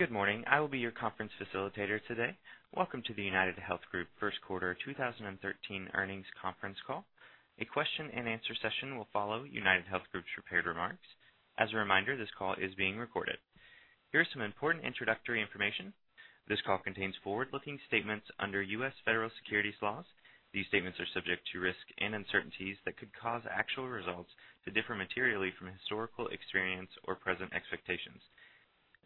Good morning. I will be your conference facilitator today. Welcome to the UnitedHealth Group first quarter 2013 earnings conference call. A question and answer session will follow UnitedHealth Group's prepared remarks. As a reminder, this call is being recorded. Here's some important introductory information. This call contains forward-looking statements under U.S. federal securities laws. These statements are subject to risks and uncertainties that could cause actual results to differ materially from historical experience or present expectations.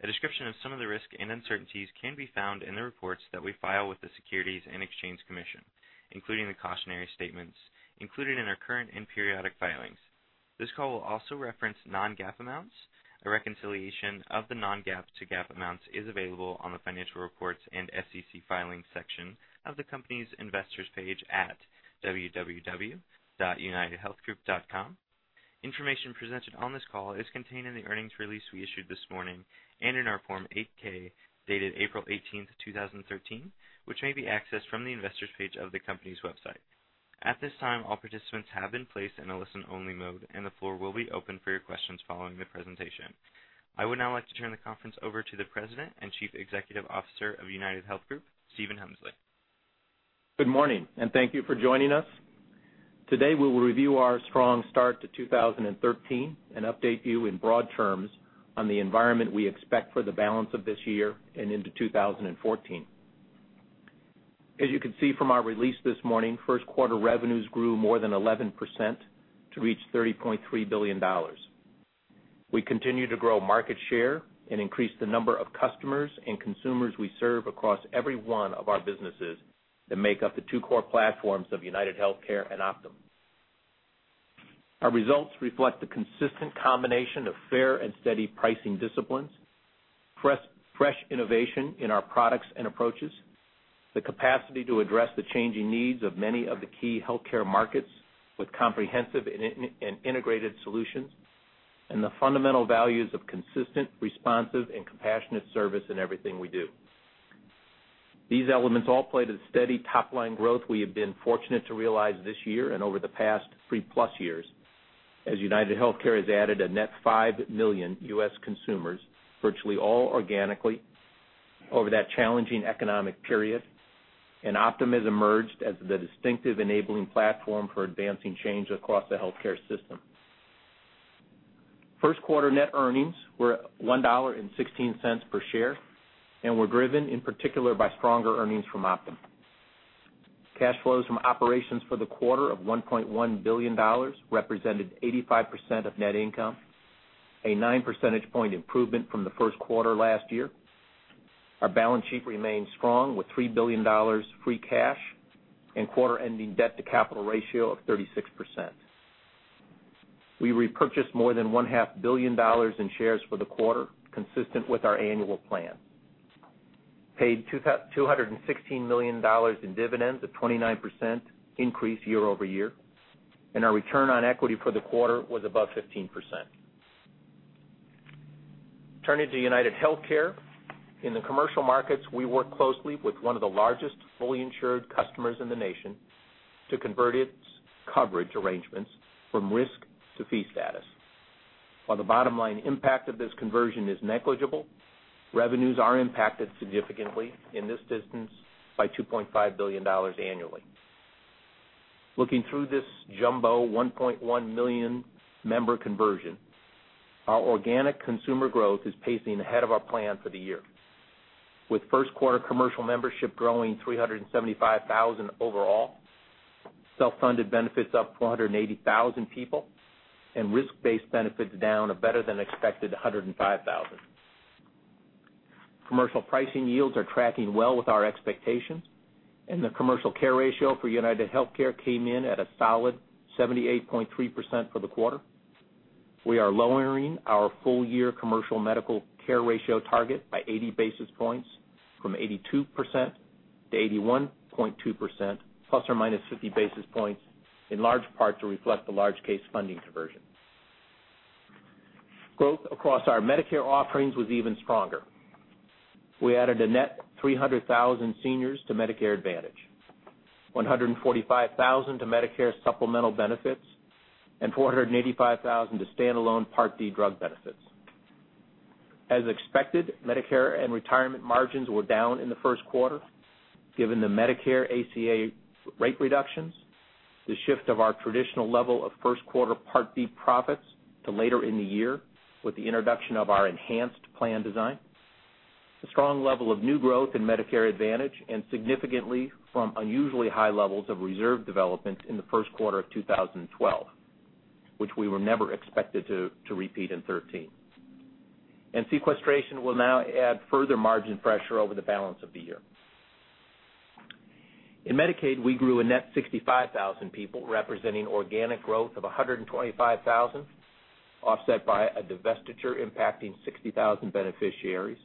A description of some of the risks and uncertainties can be found in the reports that we file with the Securities and Exchange Commission, including the cautionary statements included in our current and periodic filings. This call will also reference non-GAAP amounts. A reconciliation of the non-GAAP to GAAP amounts is available on the financial reports and SEC filings section of the company's investors page at www.unitedhealthgroup.com. Information presented on this call is contained in the earnings release we issued this morning and in our Form 8-K, dated April 18th, 2013, which may be accessed from the investors page of the company's website. At this time, all participants have been placed in a listen-only mode, and the floor will be open for your questions following the presentation. I would now like to turn the conference over to the President and Chief Executive Officer of UnitedHealth Group, Stephen Hemsley. Good morning. Thank you for joining us. Today we will review our strong start to 2013 and update you in broad terms on the environment we expect for the balance of this year and into 2014. As you can see from our release this morning, first quarter revenues grew more than 11% to reach $30.3 billion. We continue to grow market share and increase the number of customers and consumers we serve across every one of our businesses that make up the two core platforms of UnitedHealthcare and Optum. Our results reflect the consistent combination of fair and steady pricing disciplines, fresh innovation in our products and approaches, the capacity to address the changing needs of many of the key healthcare markets with comprehensive and integrated solutions, and the fundamental values of consistent, responsive, and compassionate service in everything we do. These elements all play to the steady top-line growth we have been fortunate to realize this year and over the past three-plus years as UnitedHealthcare has added a net 5 million U.S. consumers, virtually all organically over that challenging economic period, and Optum has emerged as the distinctive enabling platform for advancing change across the healthcare system. First quarter net earnings were $1.16 per share and were driven in particular by stronger earnings from Optum. Cash flows from operations for the quarter of $1.1 billion represented 85% of net income, a nine percentage point improvement from the first quarter last year. Our balance sheet remains strong with $3 billion free cash and quarter-ending debt to capital ratio of 36%. We repurchased more than one-half billion dollars in shares for the quarter, consistent with our annual plan, paid $216 million in dividends, a 29% increase year-over-year, our return on equity for the quarter was above 15%. Turning to UnitedHealthcare. In the commercial markets, we work closely with one of the largest fully insured customers in the nation to convert its coverage arrangements from risk to fee status. While the bottom line impact of this conversion is negligible, revenues are impacted significantly in this instance by $2.5 billion annually. Looking through this jumbo 1.1 million member conversion, our organic consumer growth is pacing ahead of our plan for the year, with first quarter commercial membership growing 375,000 overall, self-funded benefits up 480,000 people, risk-based benefits down a better than expected 105,000. Commercial pricing yields are tracking well with our expectations, the commercial care ratio for UnitedHealthcare came in at a solid 78.3% for the quarter. We are lowering our full year commercial medical care ratio target by 80 basis points from 82% to 81.2%, ±50 basis points, in large part to reflect the large case funding conversion. Growth across our Medicare offerings was even stronger. We added a net 300,000 seniors to Medicare Advantage, 145,000 to Medicare supplemental benefits, 485,000 to standalone Part D drug benefits. As expected, Medicare and retirement margins were down in the first quarter, given the Medicare ACA rate reductions, the shift of our traditional level of first quarter Part D profits to later in the year with the introduction of our enhanced plan design, the strong level of new growth in Medicare Advantage, significantly from unusually high levels of reserve development in the first quarter of 2012, which we were never expected to repeat in 2013. Sequestration will now add further margin pressure over the balance of the year. In Medicaid, we grew a net 65,000 people, representing organic growth of 125,000, offset by a divestiture impacting 60,000 beneficiaries,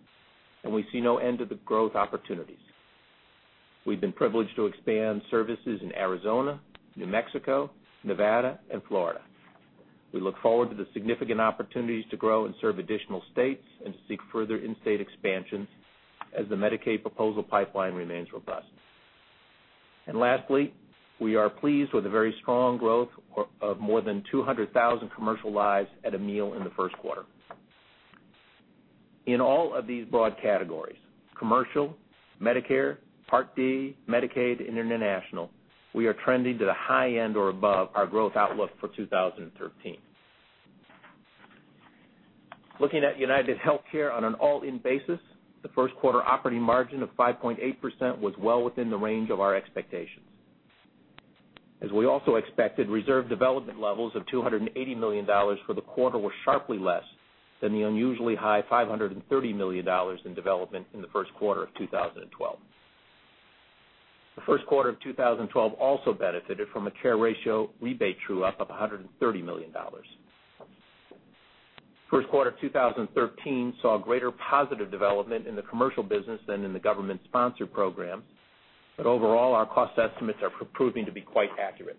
and we see no end to the growth opportunities. We've been privileged to expand services in Arizona, New Mexico, Nevada, and Florida. We look forward to the significant opportunities to grow and serve additional states and to seek further in-state expansions as the Medicaid proposal pipeline remains robust. Lastly, we are pleased with the very strong growth of more than 200,000 commercial lives at Amil in the first quarter. In all of these broad categories, commercial, Medicare, Part D, Medicaid, and international, we are trending to the high end or above our growth outlook for 2013. Looking at UnitedHealthcare on an all-in basis, the first quarter operating margin of 5.8% was well within the range of our expectations. As we also expected, reserve development levels of $280 million for the quarter were sharply less than the unusually high $530 million in development in the first quarter of 2012. The first quarter of 2012 also benefited from a care ratio rebate true-up of $130 million. First quarter of 2013 saw greater positive development in the commercial business than in the government-sponsored program. Overall, our cost estimates are proving to be quite accurate.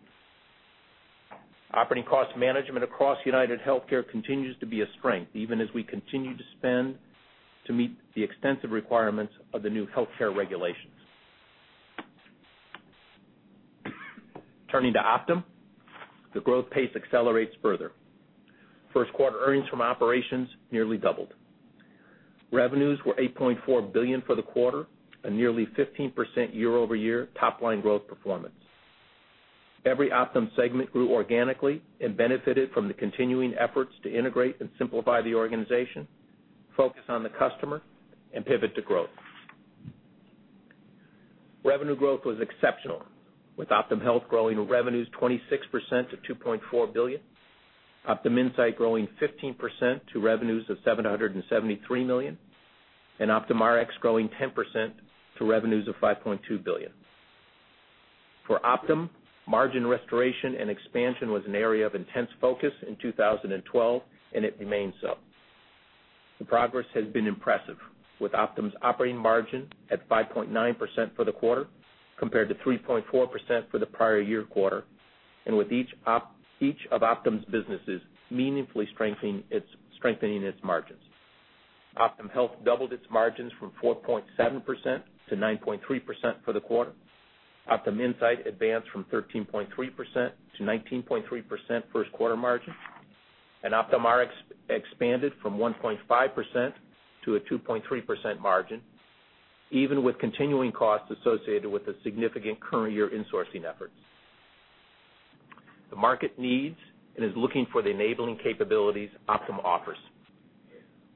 Operating cost management across UnitedHealthcare continues to be a strength, even as we continue to spend to meet the extensive requirements of the new healthcare regulations. Turning to Optum, the growth pace accelerates further. First quarter earnings from operations nearly doubled. Revenues were $8.4 billion for the quarter, a nearly 15% year-over-year top-line growth performance. Every Optum segment grew organically and benefited from the continuing efforts to integrate and simplify the organization, focus on the customer, and pivot to growth. Revenue growth was exceptional, with Optum Health growing revenues 26% to $2.4 billion, Optum Insight growing 15% to revenues of $773 million, and OptumRx growing 10% to revenues of $5.2 billion. For Optum, margin restoration and expansion was an area of intense focus in 2012, and it remains so. The progress has been impressive, with Optum's operating margin at 5.9% for the quarter, compared to 3.4% for the prior year quarter, and with each of Optum's businesses meaningfully strengthening its margins. Optum Health doubled its margins from 4.7% to 9.3% for the quarter. Optum Insight advanced from 13.3% to 19.3% first quarter margin, and OptumRx expanded from 1.5% to a 2.3% margin, even with continuing costs associated with the significant current year insourcing efforts. The market needs and is looking for the enabling capabilities Optum offers.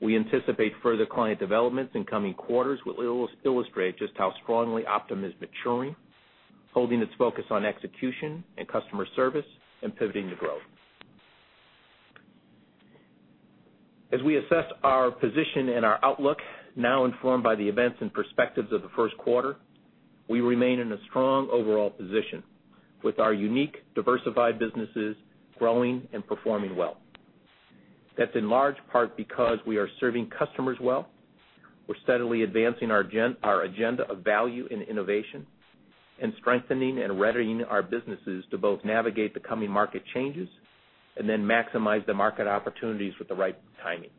We anticipate further client developments in coming quarters will illustrate just how strongly Optum is maturing, holding its focus on execution and customer service, and pivoting to growth. As we assess our position and our outlook now informed by the events and perspectives of the first quarter, we remain in a strong overall position with our unique diversified businesses growing and performing well. That's in large part because we are serving customers well, we're steadily advancing our agenda of value in innovation, and strengthening and readying our businesses to both navigate the coming market changes and then maximize the market opportunities with the right timing.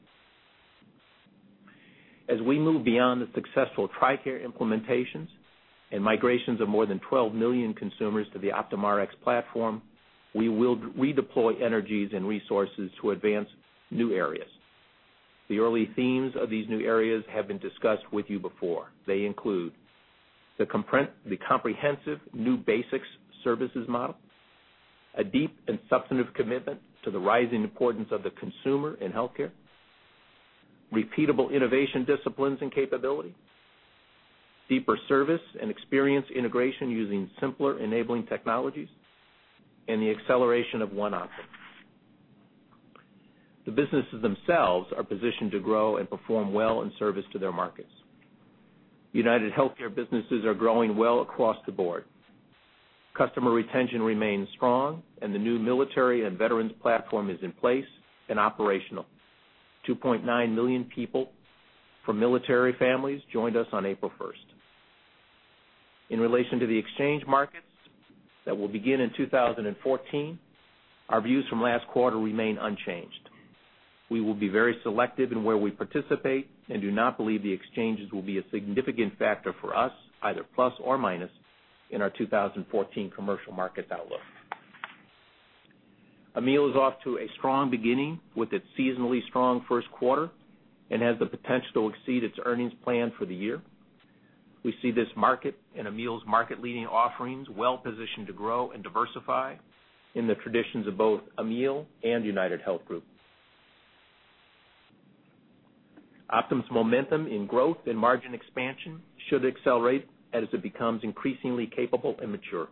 As we move beyond the successful TRICARE implementations and migrations of more than 12 million consumers to the OptumRx platform, we will redeploy energies and resources to advance new areas. The early themes of these new areas have been discussed with you before. They include the comprehensive new basics services model, a deep and substantive commitment to the rising importance of the consumer in healthcare, repeatable innovation disciplines and capability, deeper service and experience integration using simpler enabling technologies, and the acceleration of One Optum. The businesses themselves are positioned to grow and perform well in service to their markets. UnitedHealthcare businesses are growing well across the board. Customer retention remains strong, and the new military and veterans platform is in place and operational. 2.9 million people from military families joined us on April 1st. In relation to the exchange markets that will begin in 2014, our views from last quarter remain unchanged. We will be very selective in where we participate and do not believe the exchanges will be a significant factor for us, either plus or minus, in our 2014 commercial market outlook. Amil is off to a strong beginning with its seasonally strong first quarter and has the potential to exceed its earnings plan for the year. We see this market and Amil's market-leading offerings well-positioned to grow and diversify in the traditions of both Amil and UnitedHealth Group. Optum's momentum in growth and margin expansion should accelerate as it becomes increasingly capable and mature.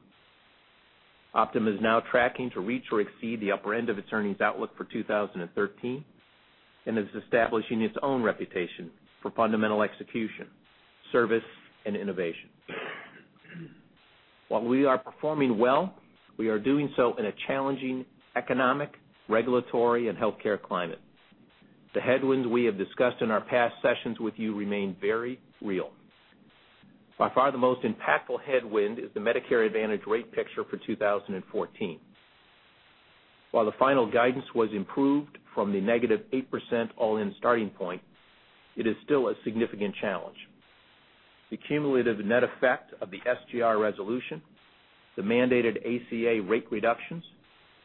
Optum is now tracking to reach or exceed the upper end of its earnings outlook for 2013 and is establishing its own reputation for fundamental execution, service, and innovation. While we are performing well, we are doing so in a challenging economic, regulatory, and healthcare climate. The headwinds we have discussed in our past sessions with you remain very real. By far, the most impactful headwind is the Medicare Advantage rate picture for 2014. While the final guidance was improved from the negative 8% all-in starting point, it is still a significant challenge. The cumulative net effect of the SGR resolution, the mandated ACA rate reductions,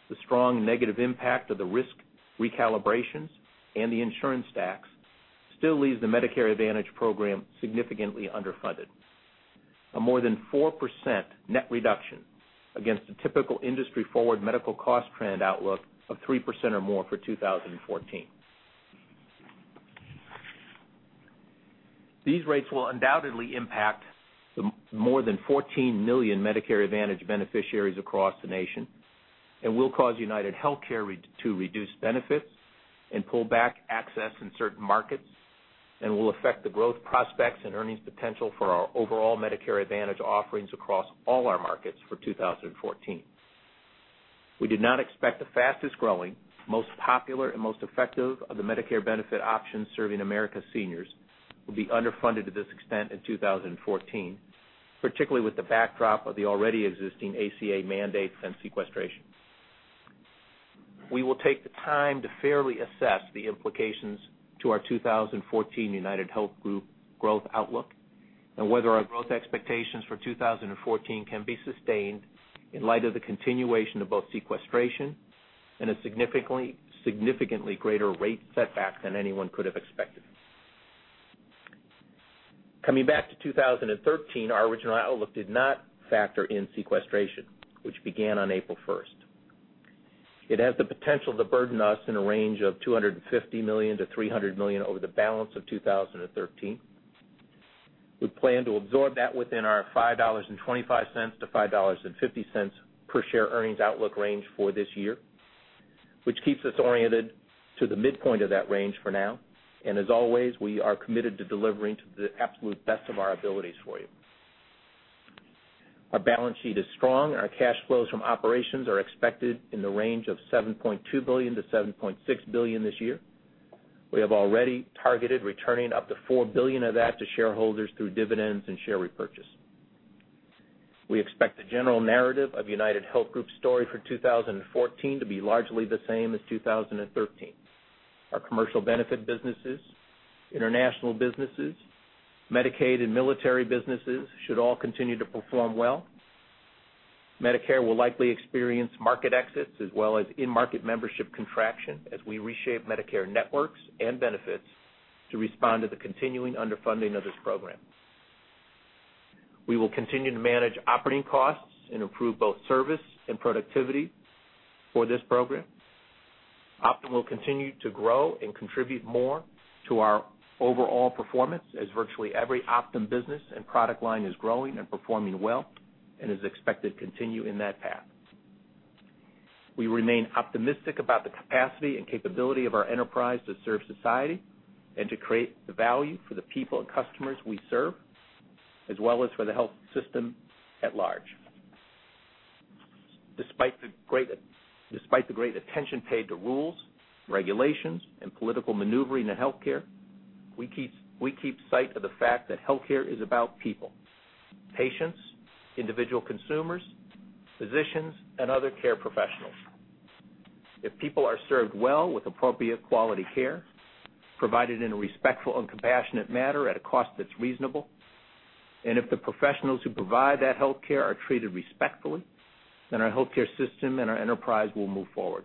the strong negative impact of the risk recalibrations, and the insurance tax still leaves the Medicare Advantage program significantly underfunded. A more than 4% net reduction against a typical industry forward medical cost trend outlook of 3% or more for 2014. These rates will undoubtedly impact the more than 14 million Medicare Advantage beneficiaries across the nation and will cause UnitedHealthcare to reduce benefits and pull back access in certain markets, and will affect the growth prospects and earnings potential for our overall Medicare Advantage offerings across all our markets for 2014. We did not expect the fastest-growing, most popular, and most effective of the Medicare benefit options serving America's seniors would be underfunded to this extent in 2014, particularly with the backdrop of the already existing ACA mandates and sequestration. We will take the time to fairly assess the implications to our 2014 UnitedHealth Group growth outlook and whether our growth expectations for 2014 can be sustained in light of the continuation of both sequestration and a significantly greater rate setback than anyone could have expected. Coming back to 2013, our original outlook did not factor in sequestration, which began on April 1st. It has the potential to burden us in a range of $250 million-$300 million over the balance of 2013. We plan to absorb that within our $5.25-$5.50 per share earnings outlook range for this year, which keeps us oriented to the midpoint of that range for now. As always, we are committed to delivering to the absolute best of our abilities for you. Our balance sheet is strong. Our cash flows from operations are expected in the range of $7.2 billion-$7.6 billion this year. We have already targeted returning up to $4 billion of that to shareholders through dividends and share repurchase. We expect the general narrative of UnitedHealth Group's story for 2014 to be largely the same as 2013. Our commercial benefit businesses, international businesses, Medicaid and military businesses should all continue to perform well. Medicare will likely experience market exits as well as in-market membership contraction as we reshape Medicare networks and benefits to respond to the continuing underfunding of this program. We will continue to manage operating costs and improve both service and productivity for this program. Optum will continue to grow and contribute more to our overall performance as virtually every Optum business and product line is growing and performing well and is expected to continue in that path. We remain optimistic about the capacity and capability of our enterprise to serve society and to create the value for the people and customers we serve, as well as for the health system at large. Despite the great attention paid to rules, regulations, and political maneuvering in healthcare, we keep sight of the fact that healthcare is about people, patients, individual consumers, physicians, and other care professionals. If people are served well with appropriate quality care, provided in a respectful and compassionate manner at a cost that's reasonable, and if the professionals who provide that healthcare are treated respectfully, then our healthcare system and our enterprise will move forward.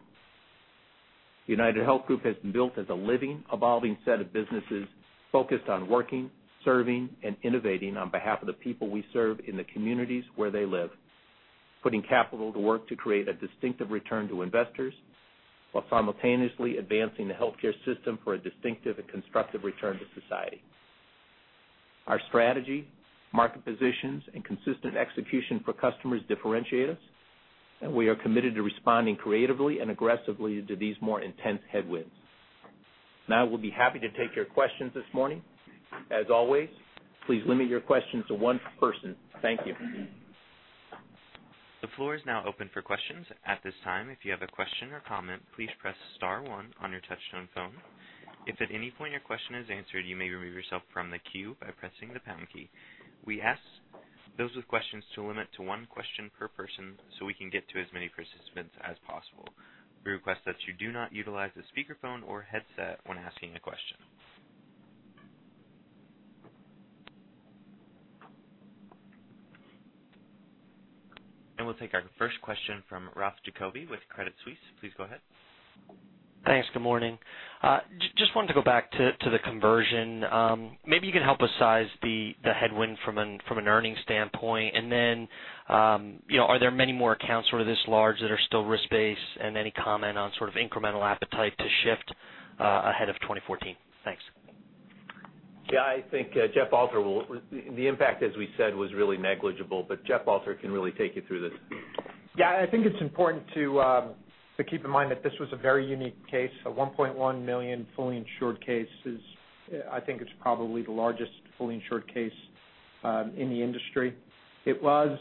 UnitedHealth Group has been built as a living, evolving set of businesses focused on working, serving, and innovating on behalf of the people we serve in the communities where they live, putting capital to work to create a distinctive return to investors while simultaneously advancing the healthcare system for a distinctive and constructive return to society. Our strategy, market positions, and consistent execution for customers differentiate us, we'll be happy to take your questions this morning. As always, please limit your questions to one person. Thank you. The floor is now open for questions. At this time, if you have a question or comment, please press star one on your touch-tone phone. If at any point your question is answered, you may remove yourself from the queue by pressing the pound key. We ask those with questions to limit to one question per person so we can get to as many participants as possible. We request that you do not utilize a speakerphone or headset when asking a question. We'll take our first question from Ralph Giacobbe with Credit Suisse. Please go ahead. Thanks. Good morning. Just wanted to go back to the conversion. Maybe you can help us size the headwind from an earnings standpoint. Then, are there many more accounts this large that are still risk-based? Any comment on incremental appetite to shift ahead of 2014? Thanks. Yeah. The impact, as we said, was really negligible. Jeff Alter can really take you through this. Yeah, I think it's important to keep in mind that this was a very unique case, a $1.1 million fully insured case. I think it's probably the largest fully insured case in the industry. It was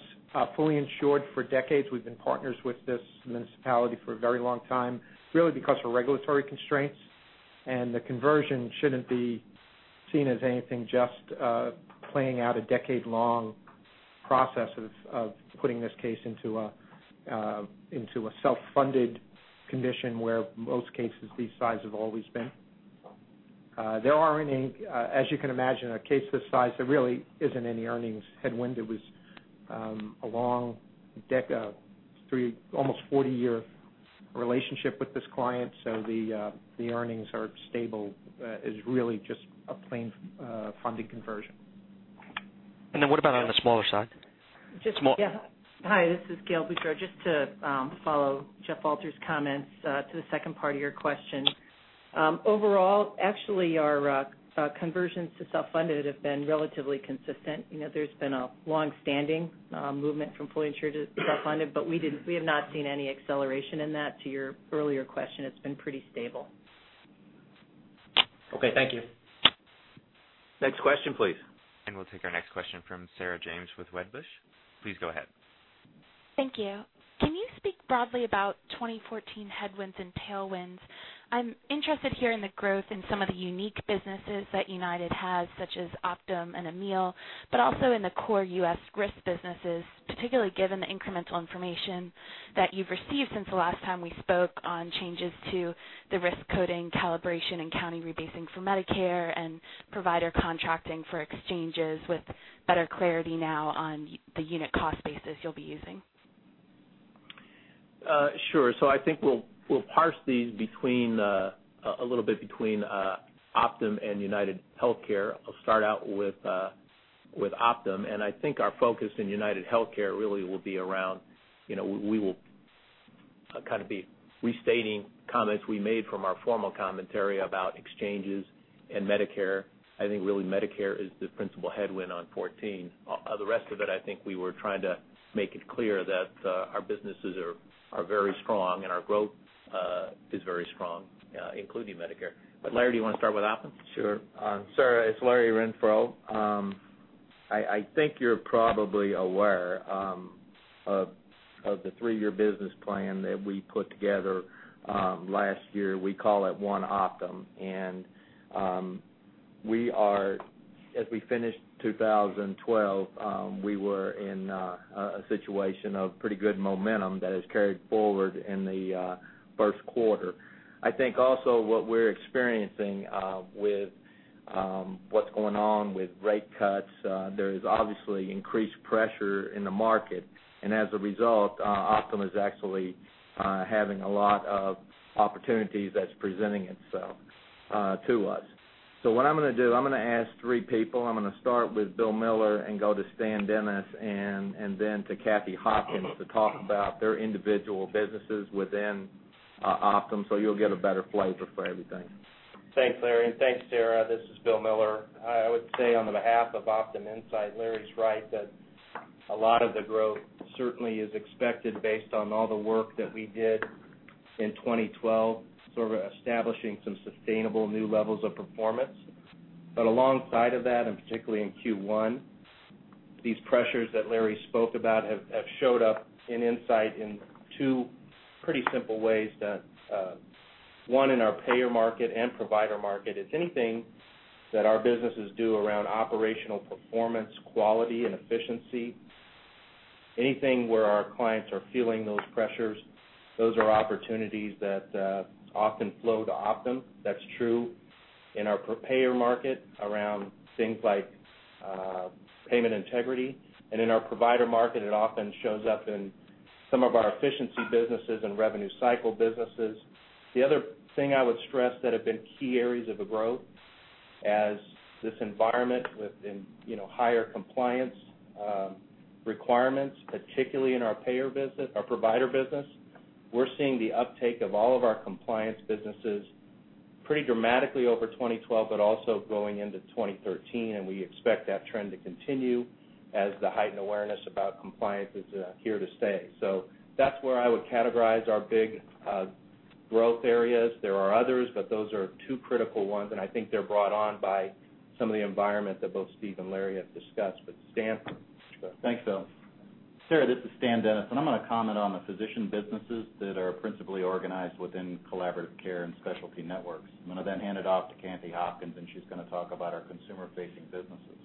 fully insured for decades. We've been partners with this municipality for a very long time, really because of regulatory constraints. The conversion shouldn't be seen as anything, just playing out a decade-long process of putting this case into a self-funded condition where most cases this size have always been. There aren't any. As you can imagine, a case this size, there really isn't any earnings headwind. It was a long almost 40-year relationship with this client, the earnings are stable. It's really just a plain funding conversion. What about on the smaller side? Yeah. Hi, this is Gail Boudreaux. Just to follow Jeff Alter's comments to the second part of your question. Overall, actually, our conversions to self-funded have been relatively consistent. There's been a long-standing movement from fully insured to self-funded, but we have not seen any acceleration in that, to your earlier question. It's been pretty stable. Okay, thank you. Next question, please. We'll take our next question from Sarah James with Wedbush. Please go ahead. Thank you. Can you speak broadly about 2014 headwinds and tailwinds? I'm interested here in the growth in some of the unique businesses that United has, such as Optum and Amil, but also in the core U.S. risk businesses, particularly given the incremental information that you've received since the last time we spoke on changes to the risk coding, calibration, and county rebasing for Medicare and provider contracting for exchanges with better clarity now on the unit cost basis you'll be using. Sure. I think we'll parse these a little bit between Optum and UnitedHealthcare. I'll start out with Optum, and I think our focus in UnitedHealthcare really will be around, we will be restating comments we made from our formal commentary about exchanges and Medicare. I think really Medicare is the principal headwind on 2014. The rest of it, I think we were trying to make it clear that our businesses are very strong and our growth is very strong, including Medicare. Larry, do you want to start with Optum? Sure. Sarah, it's Larry Renfro. I think you're probably aware of the three-year business plan that we put together last year. We call it One Optum. As we finished 2012, we were in a situation of pretty good momentum that has carried forward in the first quarter. I think also what we're experiencing with what's going on with rate cuts, there is obviously increased pressure in the market. As a result, Optum is actually having a lot of opportunities that's presenting itself to us. What I'm going to do, I'm going to ask three people. I'm going to start with Bill Miller and go to Stan Dennis and then to Kathy Hopkins to talk about their individual businesses within Optum, so you'll get a better flavor for everything. Thanks, Larry. Thanks, Sarah. This is Bill Miller. I would say on the behalf of Optum Insight, Larry's right that a lot of the growth certainly is expected based on all the work that we did in 2012, sort of establishing some sustainable new levels of performance. Alongside of that, and particularly in Q1, these pressures that Larry spoke about have showed up in Insight in two pretty simple ways that one, in our payer market and provider market. If anything that our businesses do around operational performance, quality, and efficiency, anything where our clients are feeling those pressures, those are opportunities that often flow to Optum. That's true in our payer market around things like payment integrity. In our provider market, it often shows up in some of our efficiency businesses and revenue cycle businesses. The other thing I would stress that have been key areas of the growth as this environment with higher compliance requirements, particularly in our provider business. We're seeing the uptake of all of our compliance businesses pretty dramatically over 2012 but also going into 2013, and we expect that trend to continue as the heightened awareness about compliance is here to stay. That's where I would categorize our big growth areas. There are others, but those are two critical ones, and I think they're brought on by some of the environment that both Steve and Larry have discussed. Stan, go. Thanks, Bill. Sarah, this is Stan Dennis. I'm going to comment on the physician businesses that are principally organized within collaborative care and specialty networks. I'm going to then hand it off to Kathy Hopkins, and she's going to talk about our consumer-facing businesses.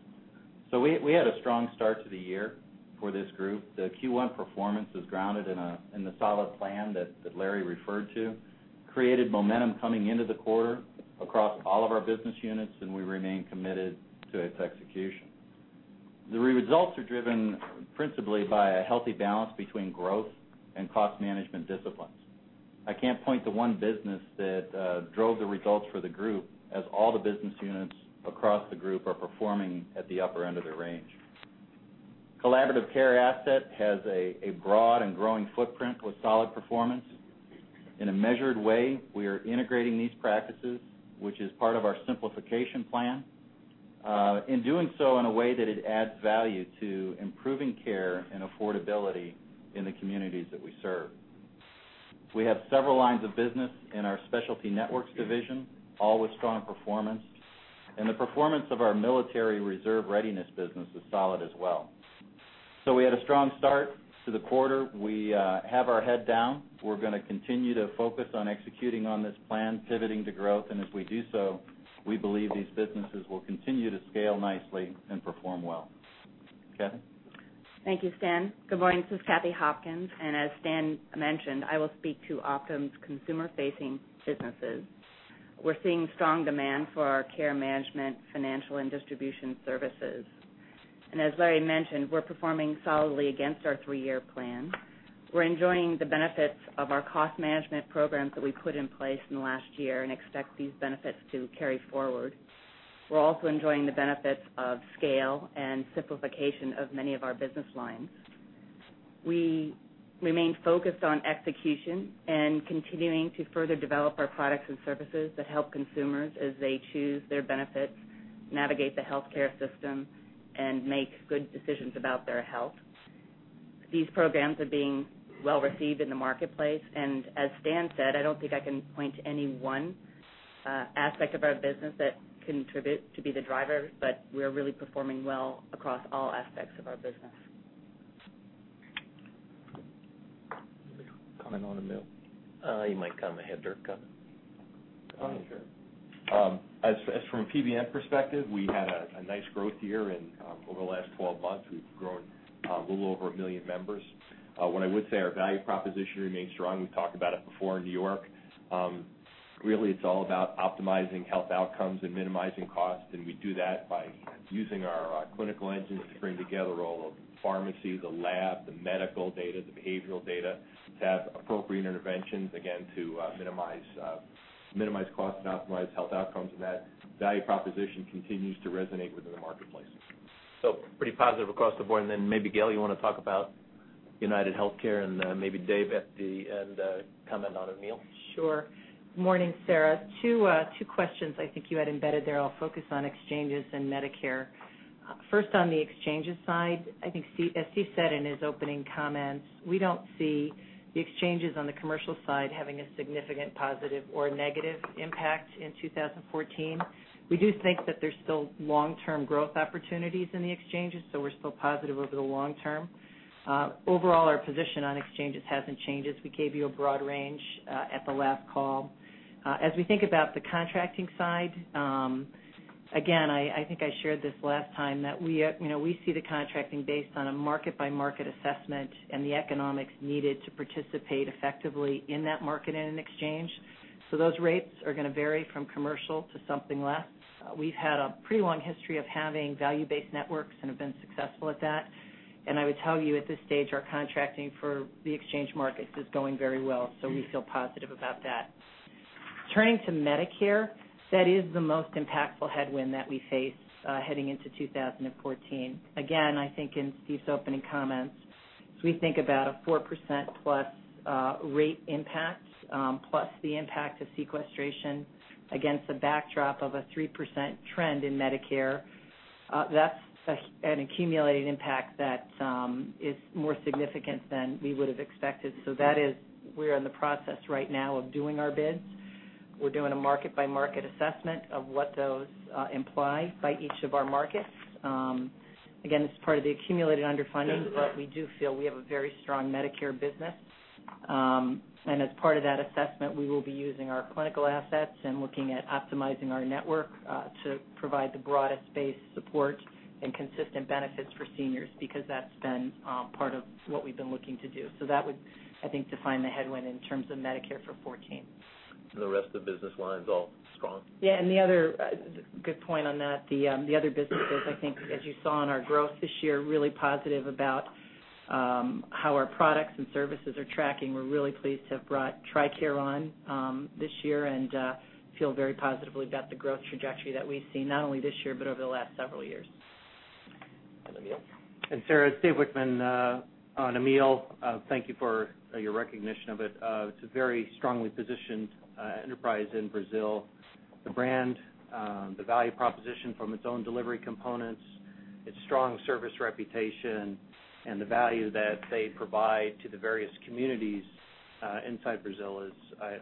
We had a strong start to the year for this group. The Q1 performance is grounded in the solid plan that Larry referred to, created momentum coming into the quarter across all of our business units, and we remain committed to its execution. The results are driven principally by a healthy balance between growth and cost management disciplines. I can't point to one business that drove the results for the group as all the business units across the group are performing at the upper end of their range. Collaborative care asset has a broad and growing footprint with solid performance. In a measured way, we are integrating these practices, which is part of our simplification plan. In doing so in a way that it adds value to improving care and affordability in the communities that we serve. We have several lines of business in our specialty networks division, all with strong performance. The performance of our military reserve readiness business was solid as well. We had a strong start to the quarter. We have our head down. We're going to continue to focus on executing on this plan, pivoting to growth, and as we do so, we believe these businesses will continue to scale nicely and perform well. Kathy? Thank you, Stan. Good morning. This is Kathy Hopkins, and as Stan mentioned, I will speak to Optum's consumer-facing businesses. We're seeing strong demand for our care management, financial, and distribution services. As Larry mentioned, we're performing solidly against our three-year plan. We're enjoying the benefits of our cost management programs that we put in place in the last year and expect these benefits to carry forward. We're also enjoying the benefits of scale and simplification of many of our business lines. We remain focused on execution and continuing to further develop our products and services that help consumers as they choose their benefits, navigate the healthcare system, and make good decisions about their health. These programs are being well-received in the marketplace. As Stan said, I don't think I can point to any one aspect of our business that contribute to be the driver, but we're really performing well across all aspects of our business. Comment on Amil? You might comment, I had Dirk coming. Oh, sure. As from a PBM perspective, we had a nice growth year in over the last 12 months. We've grown a little over 1 million members. What I would say, our value proposition remains strong. We've talked about it before in New York. Really, it's all about optimizing health outcomes and minimizing costs, and we do that by using our clinical engines to bring together all the pharmacy, the lab, the medical data, the behavioral data to have appropriate interventions, again, to minimize costs and optimize health outcomes, and that value proposition continues to resonate within the marketplace. Pretty positive across the board. Maybe Gail, you want to talk about UnitedHealthcare and maybe Dave at the end comment on Amil? Sure. Morning, Sarah. Two questions I think you had embedded there. I'll focus on exchanges and Medicare. First, on the exchanges side, I think as Steve said in his opening comments, we don't see the exchanges on the commercial side having a significant positive or negative impact in 2014. We do think that there's still long-term growth opportunities in the exchanges, we're still positive over the long term. Overall, our position on exchanges hasn't changed, as we gave you a broad range at the last call. We think about the contracting side, again, I think I shared this last time that we see the contracting based on a market-by-market assessment and the economics needed to participate effectively in that market and in exchange. Those rates are going to vary from commercial to something less. We've had a pretty long history of having value-based networks and have been successful at that. I would tell you at this stage, our contracting for the exchange markets is going very well, we feel positive about that. Turning to Medicare, that is the most impactful headwind that we face heading into 2014. Again, I think in Steve's opening comments, as we think about a 4%-plus rate impact, plus the impact of sequestration against a backdrop of a 3% trend in Medicare, that's an accumulated impact that is more significant than we would have expected. We're in the process right now of doing our bids. We're doing a market-by-market assessment of what those imply by each of our markets. Again, this is part of the accumulated underfunding, we do feel we have a very strong Medicare business. As part of that assessment, we will be using our clinical assets and looking at optimizing our network to provide the broadest base support and consistent benefits for seniors, because that's been part of what we've been looking to do. That would, I think, define the headwind in terms of Medicare for 2014. The rest of the business lines all strong? Yeah, the other good point on that, the other businesses, I think as you saw in our growth this year, really positive about how our products and services are tracking. We're really pleased to have brought TRICARE on this year and feel very positively about the growth trajectory that we've seen, not only this year, but over the last several years. Amil? Sarah, it's David Wichmann on Amil. Thank you for your recognition of it. It's a very strongly positioned enterprise in Brazil. The brand, the value proposition from its own delivery components, its strong service reputation, and the value that they provide to the various communities inside Brazil is,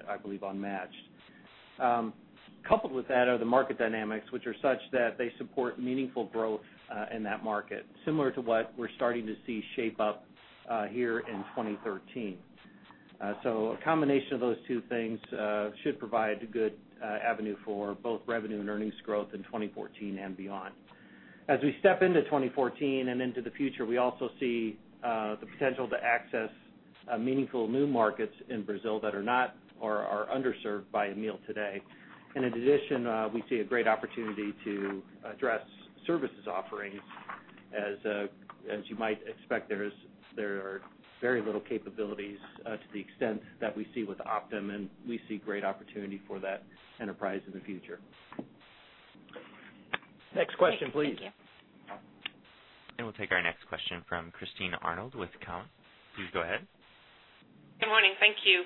I believe, unmatched. Coupled with that are the market dynamics, which are such that they support meaningful growth in that market, similar to what we're starting to see shape up here in 2013. A combination of those two things should provide a good avenue for both revenue and earnings growth in 2014 and beyond. As we step into 2014 and into the future, we also see the potential to access meaningful new markets in Brazil that are not or are underserved by Amil today. In addition, we see a great opportunity to address services offerings. As you might expect, there are very little capabilities to the extent that we see with Optum, we see great opportunity for that enterprise in the future. Next question, please. Thank you. We'll take our next question from Christine Arnold with Cowen. Please go ahead. Good morning. Thank you.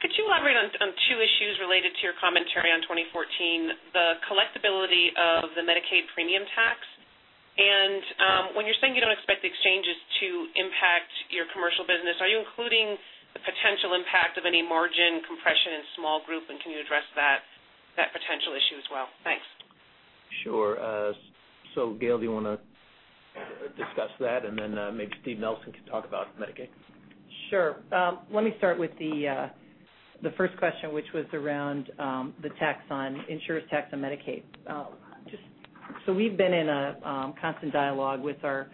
Could you elaborate on two issues related to your commentary on 2014, the collectibility of the Medicaid premium tax, and when you're saying you don't expect the exchanges to impact your commercial business, are you including the potential impact of any margin compression in small group, and can you address that potential issue as well? Thanks. Sure. Gail, do you want to discuss that and then maybe Steve Nelson can talk about Medicaid? Sure. Let me start with the first question, which was around the tax on insurance, tax on Medicaid. We've been in a constant dialogue with our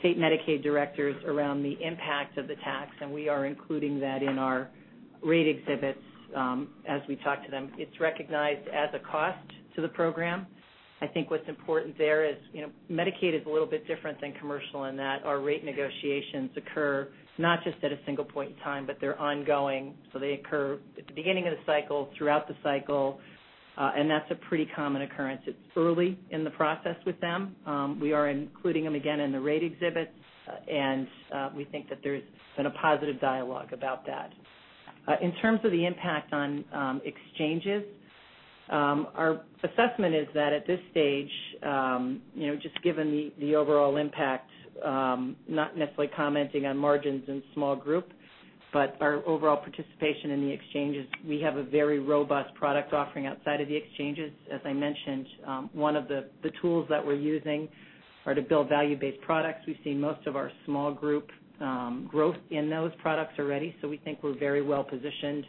state Medicaid directors around the impact of the tax, and we are including that in our rate exhibits as we talk to them. It's recognized as a cost to the program. I think what's important there is, Medicaid is a little bit different than commercial in that our rate negotiations occur not just at a single point in time, but they're ongoing. They occur at the beginning of the cycle, throughout the cycle, and that's a pretty common occurrence. It's early in the process with them. We are including them again in the rate exhibits, and we think that there's been a positive dialogue about that. In terms of the impact on exchanges, our assessment is that at this stage, just given the overall impact, not necessarily commenting on margins in small group, but our overall participation in the exchanges, we have a very robust product offering outside of the exchanges. As I mentioned, one of the tools that we're using are to build value-based products. We've seen most of our small group growth in those products already, we think we're very well-positioned,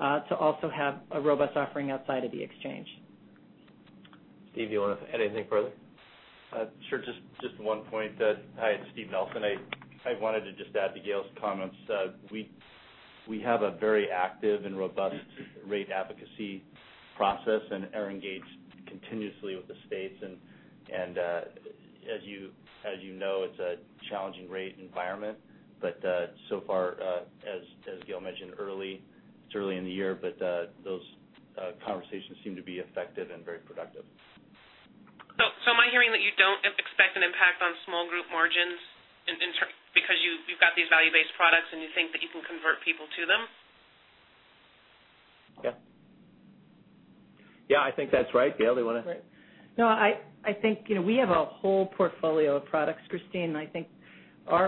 to also have a robust offering outside of the exchange. Steve, do you want to add anything further? Sure. Just one point that. Hi, it's Steve Nelson. I wanted to just add to Gail's comments. We have a very active and robust rate advocacy process, and iterates continuously with the states. As you know, it's a challenging rate environment. So far, as Gail mentioned, it's early in the year, but those conversations seem to be effective and very productive. Am I hearing that you don't expect an impact on small group margins because you've got these value-based products and you think that you can convert people to them? Yeah. Yeah, I think that's right. Gail, do you want to? Right. No, I think we have a whole portfolio of products, Christine, and I think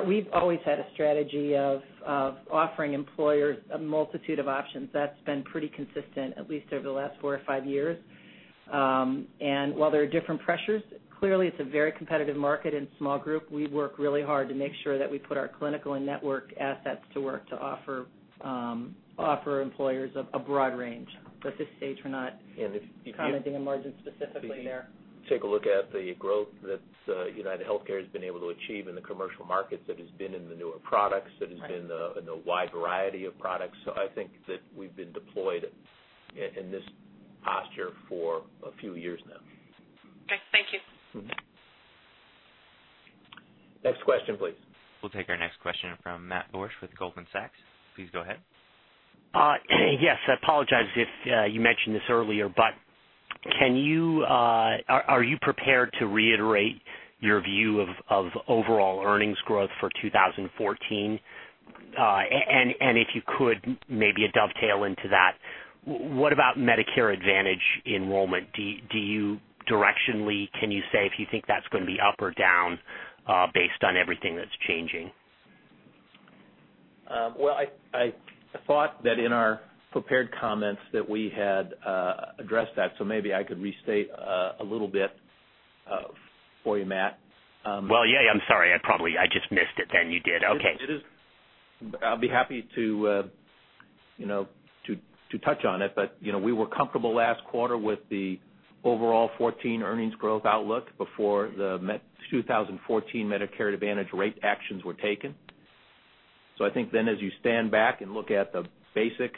we've always had a strategy of offering employers a multitude of options. That's been pretty consistent, at least over the last four or five years. While there are different pressures, clearly it's a very competitive market and small group. We work really hard to make sure that we put our clinical and network assets to work to offer employers a broad range. At this stage, we're not commenting on margins specifically there. If you take a look at the growth that UnitedHealthcare has been able to achieve in the commercial markets, that has been in the newer products. Right that has been in the wide variety of products. I think that we've been deployed in this posture for a few years now. Okay. Thank you. Next question, please. We'll take our next question from Matthew Borsch with Goldman Sachs. Please go ahead. Yes. I apologize if you mentioned this earlier, are you prepared to reiterate your view of overall earnings growth for 2014? If you could, maybe a dovetail into that, what about Medicare Advantage enrollment? Directionally, can you say if you think that's going to be up or down, based on everything that's changing? Well, I thought that in our prepared comments that we had addressed that, maybe I could restate a little bit for you, Matt. Well, yeah. I'm sorry. I just missed it, you did. Okay. It is. I'll be happy to touch on it. We were comfortable last quarter with the overall 2014 earnings growth outlook before the 2014 Medicare Advantage rate actions were taken. I think as you stand back and look at the basic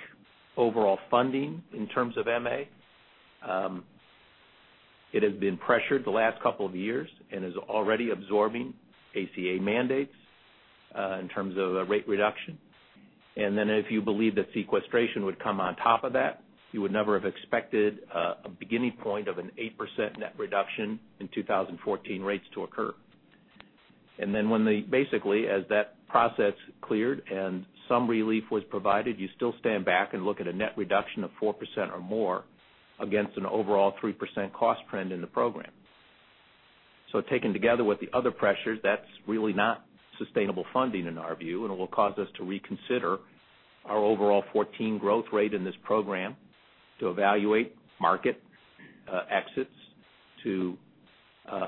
overall funding in terms of MA, it has been pressured the last couple of years and is already absorbing ACA mandates, in terms of a rate reduction. If you believe that sequestration would come on top of that, you would never have expected a beginning point of an 8% net reduction in 2014 rates to occur. When the, basically, as that process cleared and some relief was provided, you still stand back and look at a net reduction of 4% or more against an overall 3% cost trend in the program. Taken together with the other pressures, that's really not sustainable funding in our view, and it will cause us to reconsider our overall 2014 growth rate in this program to evaluate market exits, to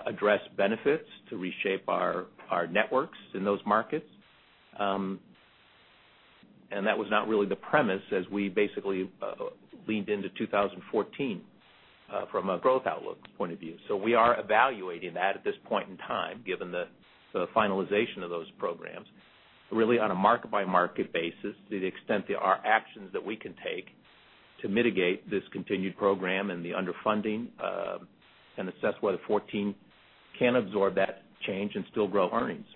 address benefits, to reshape our networks in those markets. That was not really the premise as we basically leaned into 2014, from a growth outlook point of view. We are evaluating that at this point in time, given the finalization of those programs, really on a market-by-market basis, to the extent there are actions that we can take to mitigate this continued program and the underfunding, and assess whether 2014 can absorb that change and still grow earnings.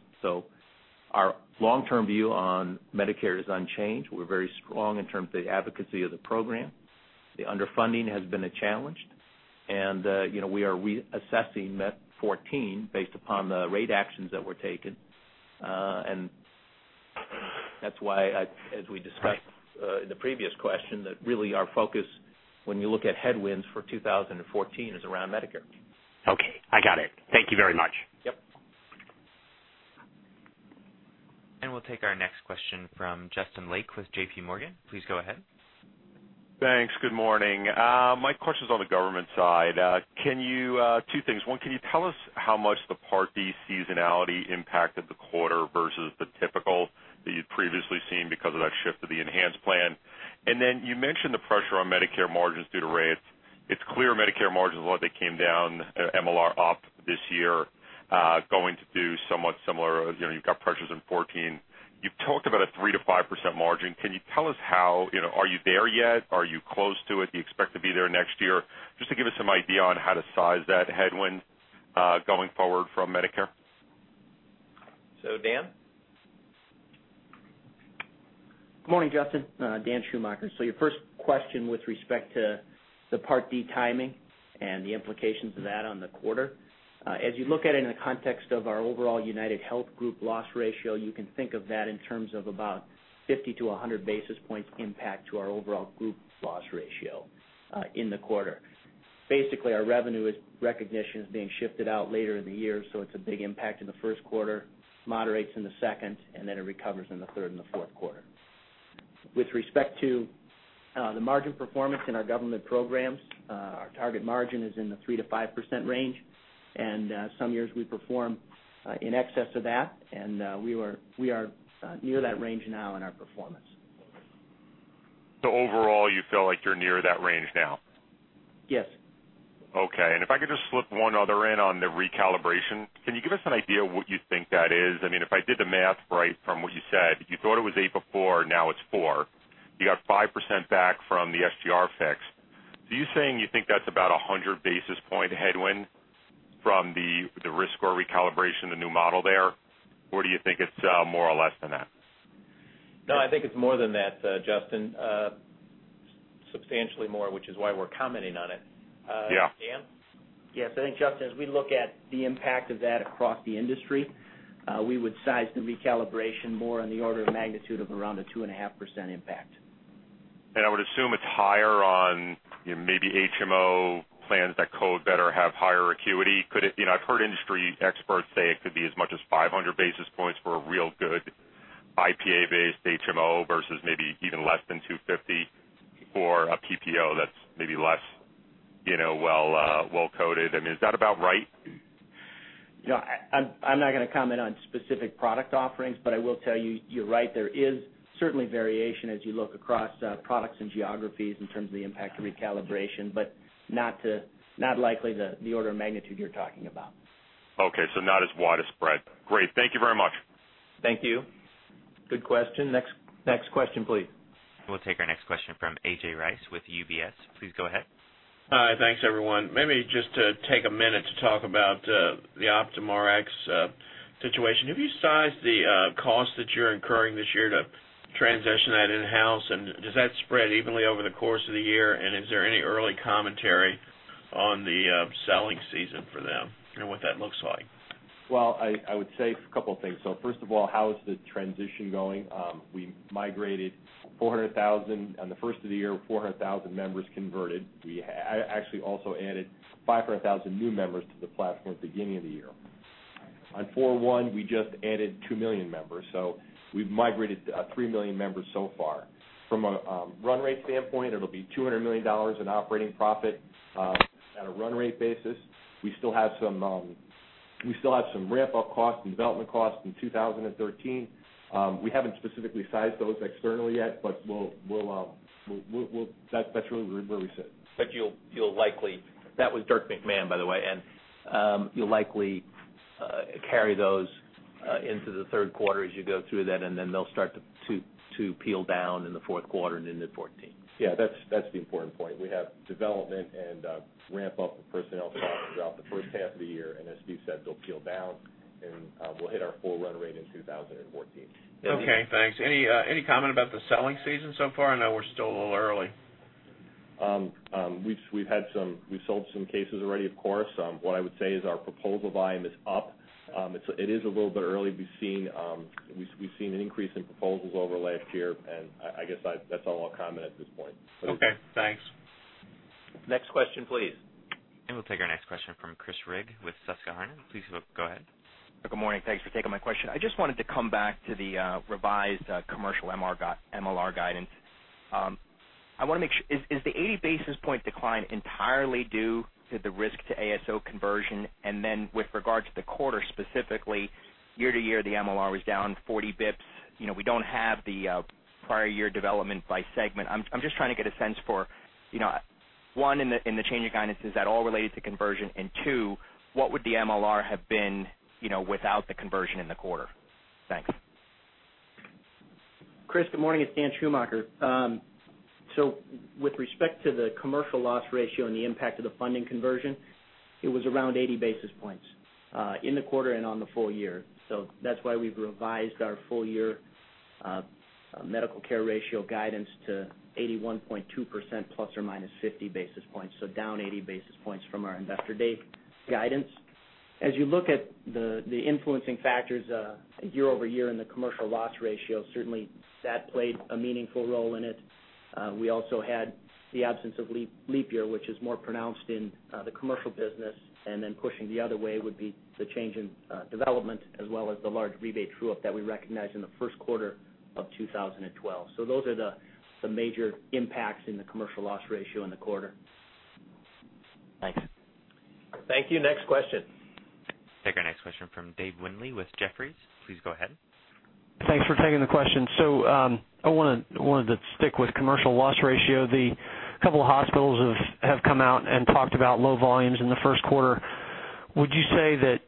Our long-term view on Medicare is unchanged. We're very strong in terms of the advocacy of the program. The underfunding has been a challenge. We are reassessing net 2014 based upon the rate actions that were taken. That's why as we discussed in the previous question, that really our focus when you look at headwinds for 2014 is around Medicare. Okay. I got it. Thank you very much. Yep. We'll take our next question from Justin Lake with J.P. Morgan. Please go ahead. Thanks. Good morning. My question's on the government side. Two things. One, can you tell us how much the Part D seasonality impacted the quarter versus the typical that you'd previously seen because of that shift to the enhanced plan? You mentioned the pressure on Medicare margins due to rates. It's clear Medicare margins, what, they came down MLR up this year, going to do somewhat similar. You've got pressures in 2014. You've talked about a 3%-5% margin. Can you tell us how, are you there yet? Are you close to it? Do you expect to be there next year? Just to give us some idea on how to size that headwind going forward from Medicare. Dan? Good morning, Justin. Daniel Schumacher. Your first question with respect to the Part D timing and the implications of that on the quarter. As you look at it in the context of our overall UnitedHealth Group loss ratio, you can think of that in terms of about 50 to 100 basis points impact to our overall group loss ratio in the quarter. Basically, our revenue recognition is being shifted out later in the year, so it's a big impact in the first quarter, moderates in the second, and then it recovers in the third and the fourth quarter. With respect to the margin performance in our government programs, our target margin is in the 3%-5% range, and some years we perform in excess of that, and we are near that range now in our performance. Overall, you feel like you're near that range now? Yes. If I could just slip one other in on the recalibration. Can you give us an idea of what you think that is? If I did the math right from what you said, you thought it was 8 before, now it's 4. You got 5% back from the SGR fix. You're saying you think that's about 100 basis point headwind from the risk score recalibration, the new model there? Do you think it's more or less than that? I think it's more than that, Justin. Substantially more, which is why we're commenting on it. Yeah. Dan? I think, Justin, as we look at the impact of that across the industry, we would size the recalibration more in the order of magnitude of around a 2.5% impact. I would assume it's higher on maybe HMO plans that code better, have higher acuity. I've heard industry experts say it could be as much as 500 basis points for a real good IPA-based HMO versus maybe even less than 250 for a PPO that's maybe less well coded. Is that about right? I'm not going to comment on specific product offerings. I will tell you're right, there is certainly variation as you look across products and geographies in terms of the impact of recalibration. Not likely the order of magnitude you're talking about. Okay. Not as widespread. Great. Thank you very much. Thank you. Good question. Next question, please. We'll take our next question from A.J. Rice with UBS. Please go ahead. Hi. Thanks, everyone. Just to take a minute to talk about the OptumRx situation. Have you sized the cost that you're incurring this year to transition that in-house? Does that spread evenly over the course of the year, and is there any early commentary on the selling season for them and what that looks like? Well, I would say a couple things. First of all, how is the transition going? On the first of the year, 400,000 members converted. We actually also added 500,000 new members to the platform at the beginning of the year. On 4/1, we just added 2 million members, so we've migrated 3 million members so far. From a run rate standpoint, it'll be $200 million in operating profit at a run rate basis. We still have some ramp-up costs and development costs in 2013. We haven't specifically sized those externally yet, that's really where we sit. You'll likely, that was Dirk McMahon, by the way, you'll likely carry those into the third quarter as you go through that, then they'll start to peel down in the fourth quarter and into 2014. Yeah, that's the important point. We have development and ramp-up of personnel costs throughout the first half of the year, as Steve said, they'll peel down we'll hit our full run rate in 2014. Okay, thanks. Any comment about the selling season so far? I know we're still a little early. We've sold some cases already, of course. What I would say is our proposal volume is up. It is a little bit early. We've seen an increase in proposals over last year. I guess that's all I'll comment at this point. Okay, thanks. Next question, please. We'll take our next question from Chris Rigg with Susquehanna. Please go ahead. Good morning. Thanks for taking my question. I just wanted to come back to the revised commercial MLR guidance. Is the 80 basis points decline entirely due to the risk to ASO conversion? With regard to the quarter specifically, year-over-year, the MLR was down 40 basis points. We don't have the prior year development by segment. I'm just trying to get a sense for, one, in the change in guidance, is that all related to conversion? Two, what would the MLR have been without the conversion in the quarter? Thanks. Chris, good morning. It's Daniel Schumacher. With respect to the commercial loss ratio and the impact of the funding conversion, it was around 80 basis points in the quarter and on the full year. That's why we've revised our full year medical care ratio guidance to 81.2% ±50 basis points, down 80 basis points from our Investor Day guidance. As you look at the influencing factors year-over-year in the commercial loss ratio, certainly that played a meaningful role in it. We also had the absence of leap year, which is more pronounced in the commercial business, and then pushing the other way would be the change in development as well as the large rebate true-up that we recognized in the first quarter of 2012. Those are some major impacts in the commercial loss ratio in the quarter. Thanks. Thank you. Next question. Take our next question from David Windley with Jefferies. Please go ahead. Thanks for taking the question. I wanted to stick with commercial loss ratio. The couple of hospitals have come out and talked about low volumes in the first quarter. Would you say that,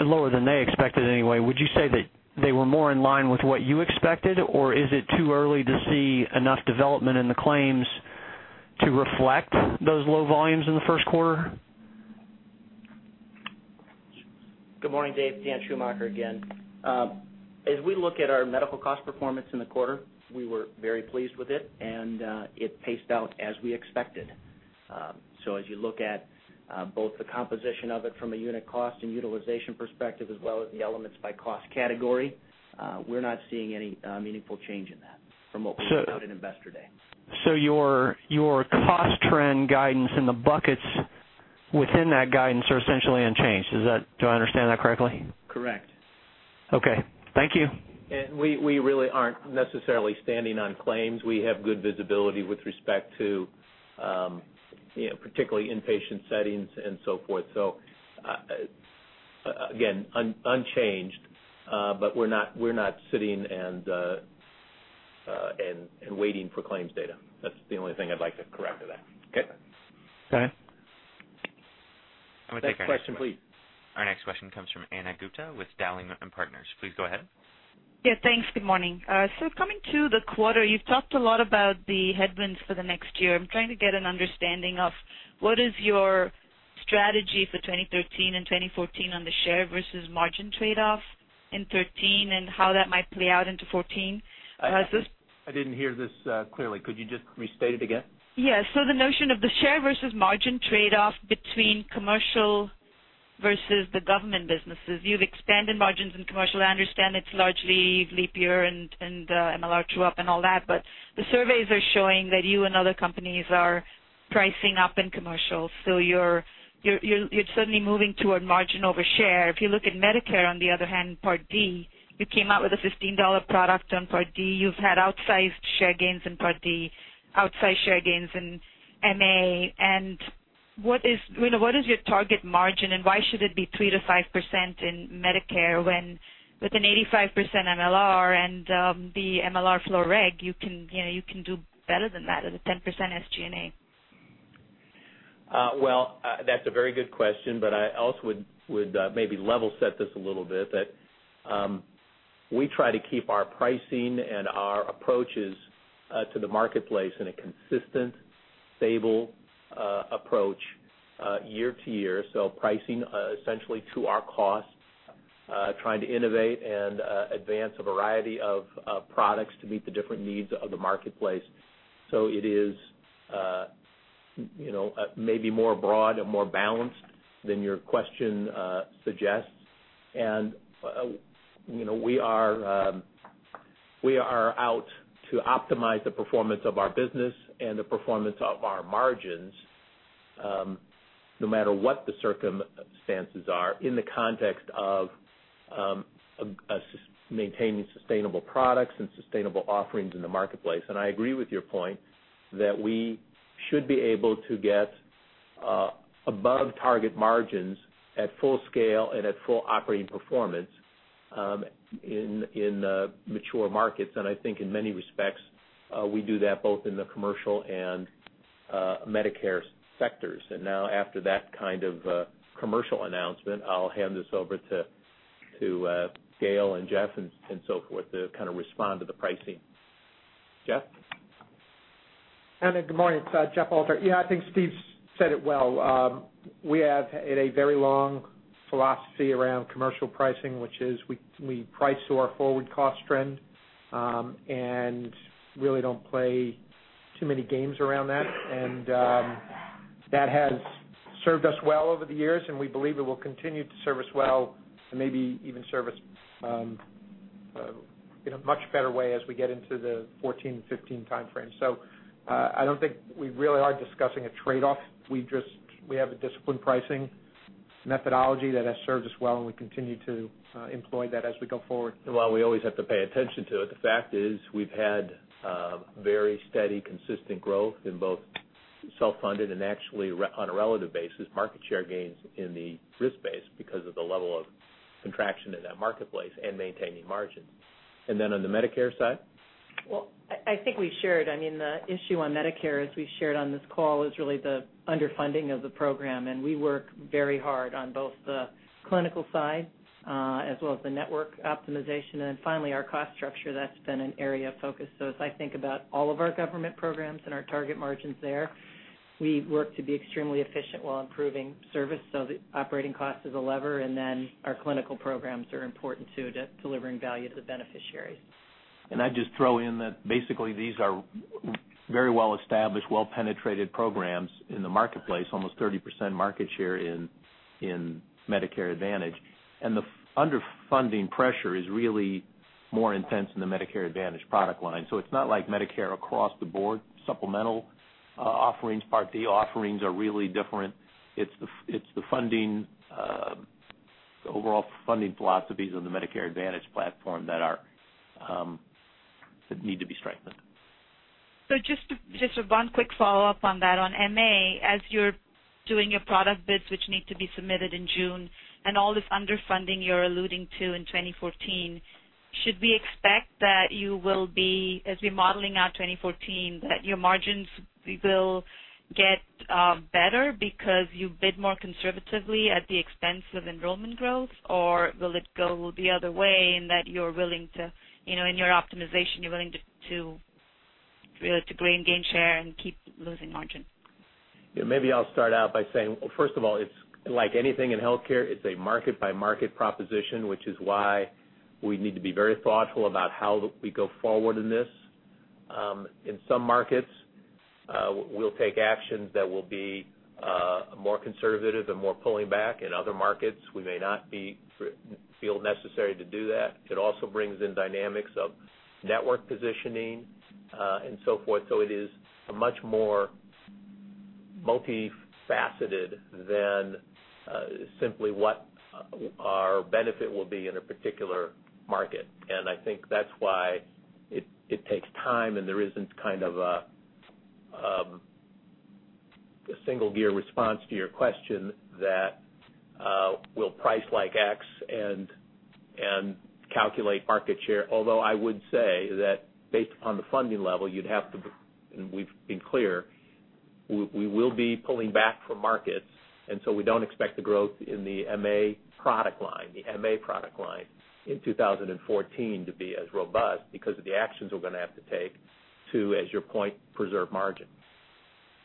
lower than they expected anyway, would you say that they were more in line with what you expected? Is it too early to see enough development in the claims to reflect those low volumes in the first quarter? Good morning, Dave. Daniel Schumacher again. As we look at our medical cost performance in the quarter, we were very pleased with it, and it paced out as we expected. As you look at both the composition of it from a unit cost and utilization perspective as well as the elements by cost category, we are not seeing any meaningful change in that from what we put out at Investor Day. Your cost trend guidance in the buckets within that guidance are essentially unchanged. Do I understand that correctly? Correct. Okay. Thank you. We really aren't necessarily standing on claims. We have good visibility with respect to particularly inpatient settings and so forth. Again, unchanged, but we're not sitting and waiting for claims data. That's the only thing I'd like to correct to that. Okay? Okay. Next question, please. Our next question comes from Ana Gupte with Dowling & Partners. Please go ahead. Yeah, thanks. Good morning. Coming to the quarter, you've talked a lot about the headwinds for the next year. I'm trying to get an understanding of what is your strategy for 2013 and 2014 on the share versus margin trade-off in 2013, and how that might play out into 2014. I didn't hear this clearly. Could you just restate it again? Yeah. The notion of the share versus margin trade-off between commercial versus the government businesses. You've expanded margins in commercial. I understand it's largely leap year and MLR true-up and all that, the surveys are showing that you and other companies are pricing up in commercial. You're certainly moving toward margin over share. If you look at Medicare, on the other hand, Part D, you came out with a $15 product on Part D. You've had outsized share gains in Part D, outsized share gains in MA. What is your target margin, and why should it be 3%-5% in Medicare when with an 85% MLR and the MLR floor reg, you can do better than that at a 10% SG&A? Well, that's a very good question, but I also would maybe level set this a little bit, that we try to keep our pricing and our approaches to the marketplace in a consistent, stable approach year to year. Pricing essentially to our cost, trying to innovate and advance a variety of products to meet the different needs of the marketplace. We are out to optimize the performance of our business and the performance of our margins, no matter what the circumstances are in the context of maintaining sustainable products and sustainable offerings in the marketplace. I agree with your point that we should be able to get above target margins at full scale and at full operating performance in mature markets. I think in many respects, we do that both in the commercial and Medicare sectors. Now after that kind of commercial announcement, I'll hand this over to Gail and Jeff and so forth to respond to the pricing. Jeff? Ana, good morning. It's Jeff Alter. I think Steve's said it well. We have had a very long philosophy around commercial pricing, which is we price to our forward cost trend, and really don't play too many games around that. That has served us well over the years, we believe it will continue to serve us well, and maybe even serve us in a much better way as we get into the 2014 and 2015 timeframe. I don't think we really are discussing a trade-off. We have a disciplined pricing methodology that has served us well, and we continue to employ that as we go forward. While we always have to pay attention to it, the fact is we've had very steady, consistent growth in both self-funded and actually on a relative basis, market share gains in the risk base because of the level of contraction in that marketplace and maintaining margins. Then on the Medicare side? Well, I think we shared, I mean, the issue on Medicare, as we shared on this call, is really the underfunding of the program, and we work very hard on both the clinical side as well as the network optimization. Finally, our cost structure, that's been an area of focus. As I think about all of our government programs and our target margins there, we work to be extremely efficient while improving service so the operating cost is a lever, our clinical programs are important, too, to delivering value to the beneficiaries. I'd just throw in that basically these are very well-established, well-penetrated programs in the marketplace, almost 30% market share in Medicare Advantage. The underfunding pressure is really more intense in the Medicare Advantage product line. It's not like Medicare across the board. Supplemental offerings, Part D offerings are really different. It's the overall funding philosophies of the Medicare Advantage platform that need to be strengthened. Just one quick follow-up on that. On MA, as you're doing your product bids, which need to be submitted in June, and all this underfunding you're alluding to in 2014, should we expect that you will be, as we're modeling out 2014, that your margins will get better because you bid more conservatively at the expense of enrollment growth? Will it go the other way in that, in your optimization, you're willing to gain share and keep losing margin? Maybe I'll start out by saying, first of all, it's like anything in healthcare, it's a market-by-market proposition, which is why we need to be very thoughtful about how we go forward in this. In some markets, we'll take actions that will be more conservative and more pulling back. In other markets, we may not feel necessary to do that. It also brings in dynamics of network positioning, and so forth. It is a much more multifaceted than simply what our benefit will be in a particular market. I think that's why it takes time, and there isn't kind of a single-gear response to your question that we'll price like X and calculate market share. Although I would say that based upon the funding level, and we've been clear, we will be pulling back from markets, we don't expect the growth in the MA product line in 2014 to be as robust because of the actions we're going to have to take to, as your point, preserve margin.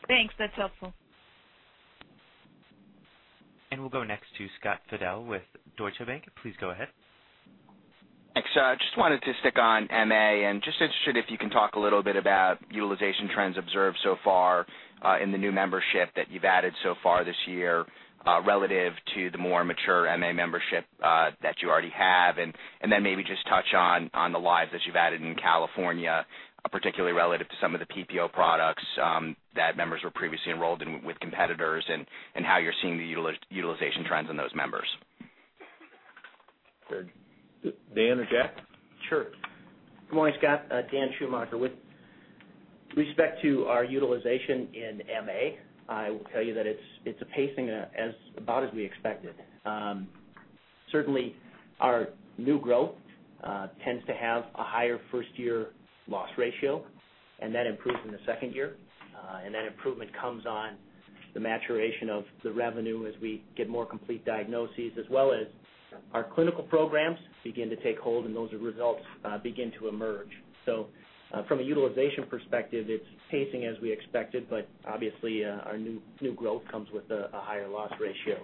Thanks. That's helpful. We'll go next to Scott Fidel with Deutsche Bank. Please go ahead. Thanks. I just wanted to stick on MA, and just interested if you can talk a little bit about utilization trends observed so far in the new membership that you've added so far this year relative to the more mature MA membership that you already have. Then maybe just touch on the lives that you've added in California, particularly relative to some of the PPO products that members were previously enrolled in with competitors, and how you're seeing the utilization trends in those members. Dan or Jack? Sure. Good morning, Scott. Daniel Schumacher. With respect to our utilization in MA, I will tell you that it's pacing about as we expected. Certainly, our new growth tends to have a higher first-year loss ratio, and that improves in the second year. That improvement comes on the maturation of the revenue as we get more complete diagnoses, as well as our clinical programs begin to take hold and those results begin to emerge. From a utilization perspective, it's pacing as we expected, but obviously our new growth comes with a higher loss ratio.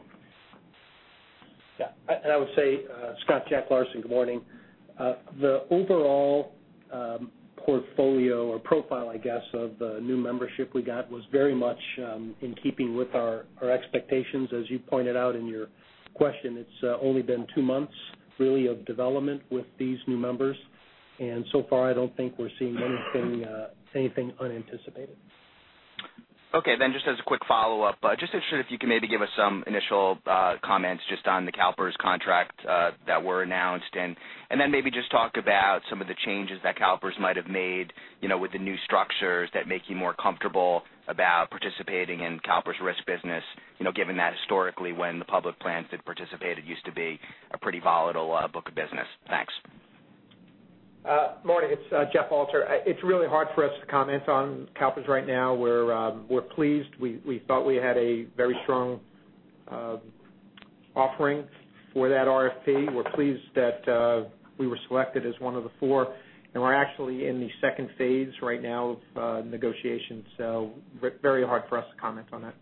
Yeah. I would say, Scott, Jack Larson, good morning. The overall portfolio or profile, I guess, of the new membership we got was very much in keeping with our expectations. As you pointed out in your question, it's only been two months really of development with these new members. So far, I don't think we're seeing anything unanticipated. Okay. Just as a quick follow-up, just interested if you can maybe give us some initial comments just on the CalPERS contract that were announced, and then maybe just talk about some of the changes that CalPERS might have made with the new structures that make you more comfortable about participating in CalPERS risk business, given that historically when the public plans had participated, it used to be a pretty volatile book of business. Thanks. Morning. It's Jeff Alter. It's really hard for us to comment on CalPERS right now, we're pleased. We thought we had a very strong offering for that RFP. We're pleased that we were selected as one of the four, and we're actually in the second phase right now of negotiations, very hard for us to comment on that.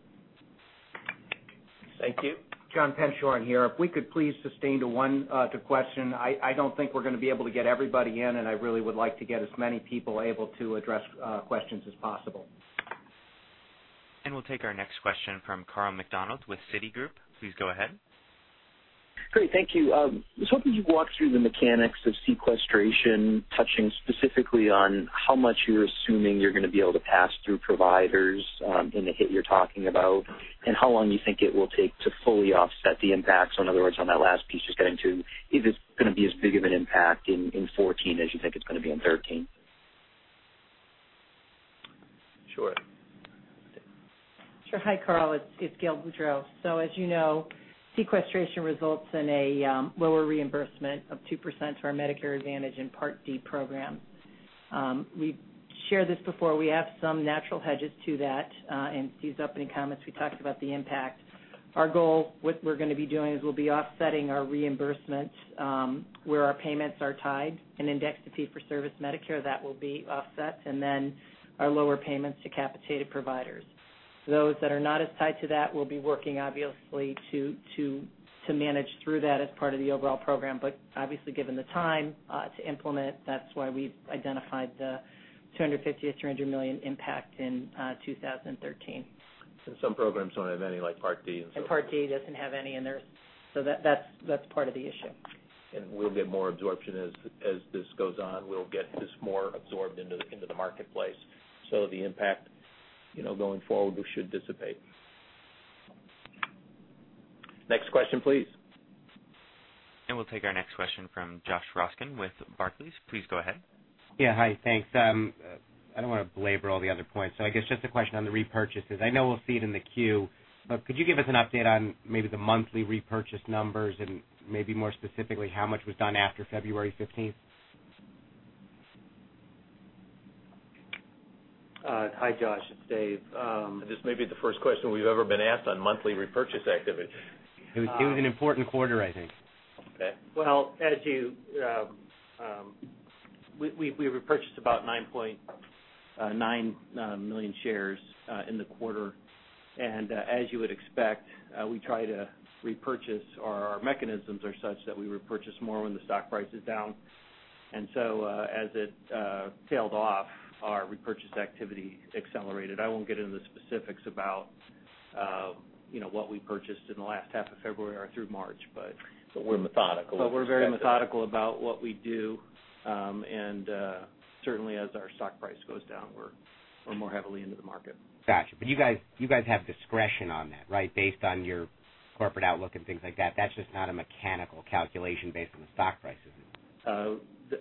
Thank you. John Penshorn here. If we could please sustain to one question. I don't think we're going to be able to get everybody in, I really would like to get as many people able to address questions as possible. We'll take our next question from Carl McDonald with Citigroup. Please go ahead. Great. Thank you. I was hoping you'd walk through the mechanics of sequestration, touching specifically on how much you're assuming you're going to be able to pass through providers in the hit you're talking about, and how long you think it will take to fully offset the impacts. In other words, on that last piece you're getting to, if it's going to be as big of an impact in 2014 as you think it's going to be in 2013? Sure. Sure. Hi, Carl, it's Gail Boudreaux. As you know, sequestration results in a lower reimbursement of 2% to our Medicare Advantage and Part D program. We've shared this before. We have some natural hedges to that, and Steve's opening comments, we talked about the impact. Our goal, what we're going to be doing is we'll be offsetting our reimbursement where our payments are tied and indexed to fee-for-service Medicare, that will be offset, and then our lower payments to capitated providers. Those that are not as tied to that, we'll be working obviously to manage through that as part of the overall program. Obviously given the time to implement, that's why we've identified the $250 million-$300 million impact in 2013. Some programs don't have any, like Part D and so forth. Part D doesn't have any in there. That's part of the issue. We'll get more absorption as this goes on. We'll get this more absorbed into the marketplace. The impact Going forward, we should dissipate. Next question, please. We'll take our next question from Josh Raskin with Barclays. Please go ahead. Yeah. Hi, thanks. I don't want to belabor all the other points, so I guess just a question on the repurchases. I know we'll see it in the Q, but could you give us an update on maybe the monthly repurchase numbers and maybe more specifically, how much was done after February 15th? Hi, Josh, it's Dave. This may be the first question we've ever been asked on monthly repurchase activity. It was an important quarter, I think. Okay. Well, we repurchased about 9.9 million shares in the quarter. As you would expect, our mechanisms are such that we repurchase more when the stock price is down. As it tailed off, our repurchase activity accelerated. I won't get into the specifics about what we purchased in the last half of February or through March. We're methodical. We're very methodical about what we do. Certainly as our stock price goes down, we're more heavily into the market. Got you. You guys have discretion on that, right? Based on your corporate outlook and things like that. That's just not a mechanical calculation based on the stock prices.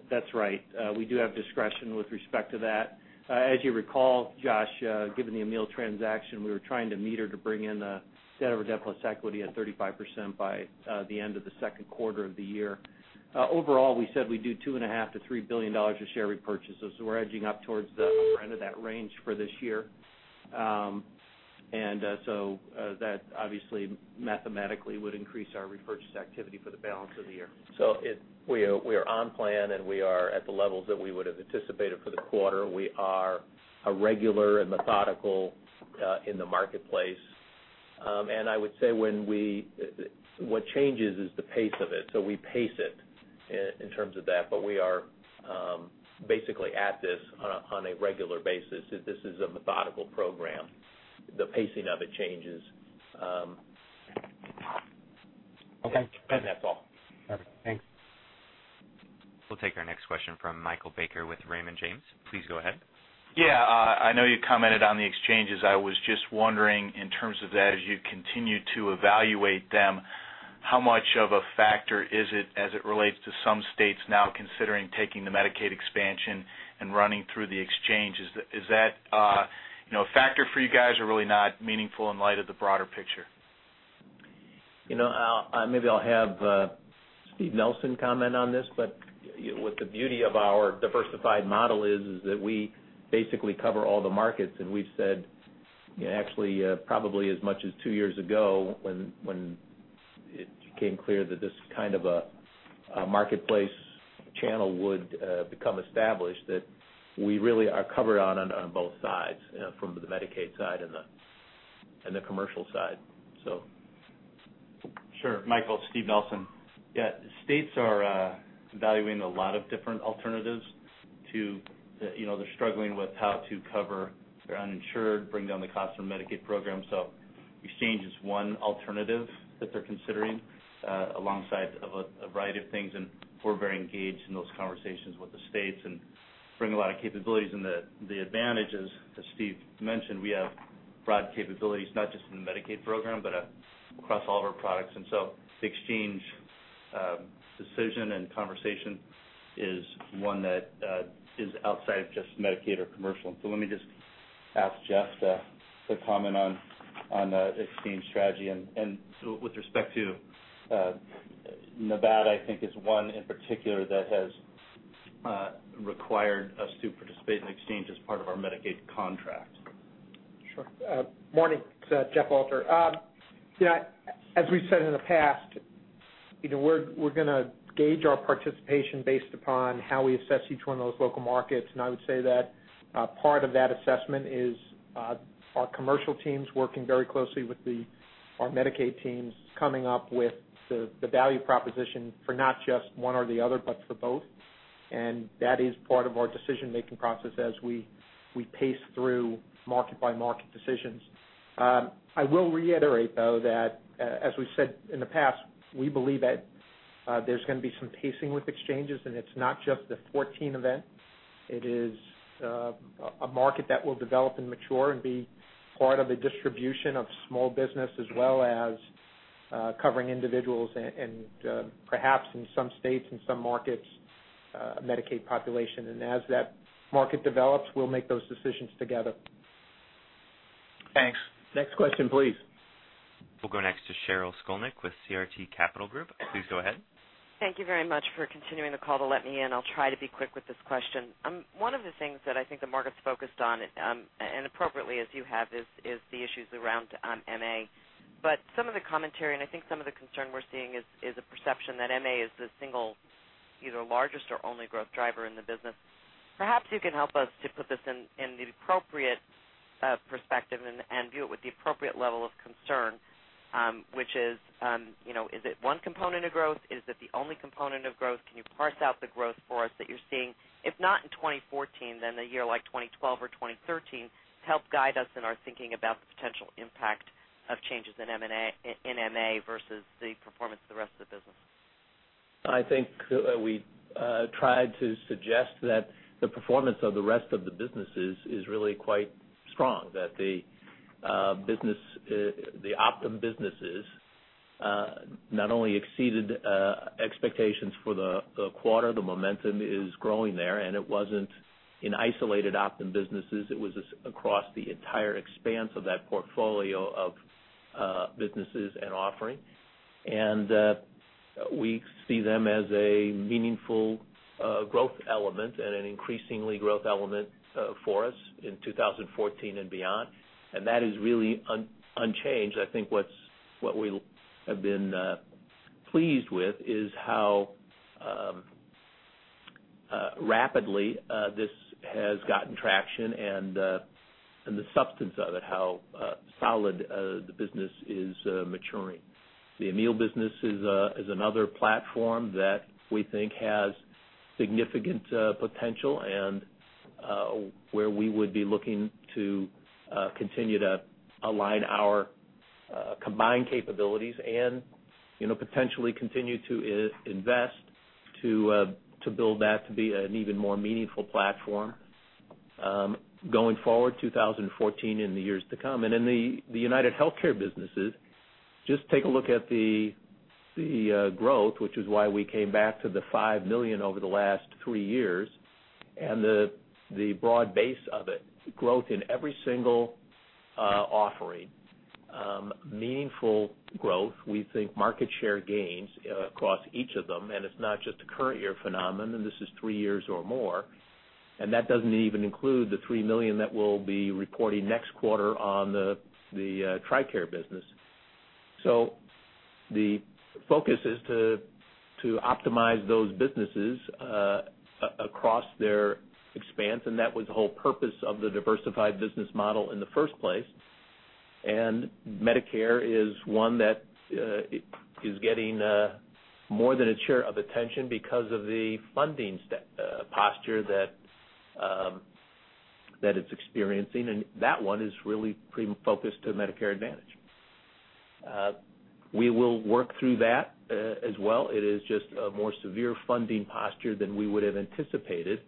That's right. We do have discretion with respect to that. As you recall, Josh, given the Amil transaction, we were trying to meter to bring in [a set of our net plus equity] at 35% by the end of the second quarter of the year. We said we'd do $2.5 billion-$3 billion of share repurchases. We're edging up towards the upper end of that range for this year. That obviously mathematically would increase our repurchase activity for the balance of the year. We are on plan, and we are at the levels that we would've anticipated for the quarter. We are regular and methodical in the marketplace. I would say what changes is the pace of it. We pace it in terms of that. We are basically at this on a regular basis. This is a methodical program. The pacing of it changes. Okay. That's all. Perfect. Thanks. We'll take our next question from Michael Baker with Raymond James. Please go ahead. Yeah. I know you commented on the exchanges. I was just wondering in terms of that, as you continue to evaluate them, how much of a factor is it as it relates to some states now considering taking the Medicaid expansion and running through the exchanges? Is that a factor for you guys or really not meaningful in light of the broader picture? Maybe I'll have Steve Nelson comment on this, but what the beauty of our diversified model is that we basically cover all the markets. We've said actually probably as much as 2 years ago when it became clear that this kind of a marketplace channel would become established, that we really are covered on both sides from the Medicaid side and the commercial side. Sure, Michael, Steve Nelson. Yeah. States are evaluating a lot of different alternatives. They're struggling with how to cover their uninsured, bring down the cost of the Medicaid program. Exchange is one alternative that they're considering alongside of a variety of things, and we're very engaged in those conversations with the states and bring a lot of capabilities. The advantage is, as Steve mentioned, we have broad capabilities, not just in the Medicaid program, but across all of our products. The exchange decision and conversation is one that is outside of just Medicaid or commercial. Let me just ask Jeff to comment on the exchange strategy. With respect to Nevada, I think is one in particular that has required us to participate in exchange as part of our Medicaid contract. Sure. Morning. It's Jeff Alter. As we've said in the past, we're going to gauge our participation based upon how we assess each one of those local markets. I would say that a part of that assessment is our commercial teams working very closely with our Medicaid teams, coming up with the value proposition for not just one or the other, but for both. That is part of our decision-making process as we pace through market-by-market decisions. I will reiterate though, that as we've said in the past, we believe that there's going to be some pacing with exchanges, and it's not just the 14 event. It is a market that will develop and mature and be part of the distribution of small business as well as covering individuals and perhaps in some states and some markets, Medicaid population. As that market develops, we'll make those decisions together. Thanks. Next question, please. We'll go next to Sheryl Skolnick with CRT Capital Group. Please go ahead. Thank you very much for continuing the call to let me in. I'll try to be quick with this question. One of the things that I think the market's focused on, and appropriately as you have is the issues around MA. Some of the commentary, and I think some of the concern we're seeing is a perception that MA is the single either largest or only growth driver in the business. Perhaps you can help us to put this in the appropriate perspective and view it with the appropriate level of concern, which is it one component of growth? Is it the only component of growth? Can you parse out the growth for us that you're seeing, if not in 2014, then a year like 2012 or 2013, to help guide us in our thinking about the potential impact of changes in MA versus the performance of the rest of the business? I think we tried to suggest that the performance of the rest of the businesses is really quite strong, that the Optum businesses not only exceeded expectations for the quarter, the momentum is growing there, and it wasn't in isolated Optum businesses, it was across the entire expanse of that portfolio of businesses and offerings. We see them as a meaningful growth element and an increasingly growth element for us in 2014 and beyond. That is really unchanged. I think what we have been pleased with is how rapidly this has gotten traction and the substance of it, how solid the business is maturing. The Amil business is another platform that we think has significant potential, and where we would be looking to continue to align our combined capabilities and potentially continue to invest to build that to be an even more meaningful platform going forward, 2014 and the years to come. In the UnitedHealthcare businesses, just take a look at the growth, which is why we came back to the 5 million over the last 3 years, and the broad base of it. Growth in every single offering. Meaningful growth. We think market share gains across each of them, and it's not just a current year phenomenon. This is 3 years or more. That doesn't even include the 3 million that we'll be reporting next quarter on the TRICARE business. The focus is to optimize those businesses across their expanse, and that was the whole purpose of the diversified business model in the first place. Medicare is one that is getting more than its share of attention because of the funding posture that it's experiencing, and that one is really pretty focused to Medicare Advantage. We will work through that as well. It is just a more severe funding posture than we would have anticipated,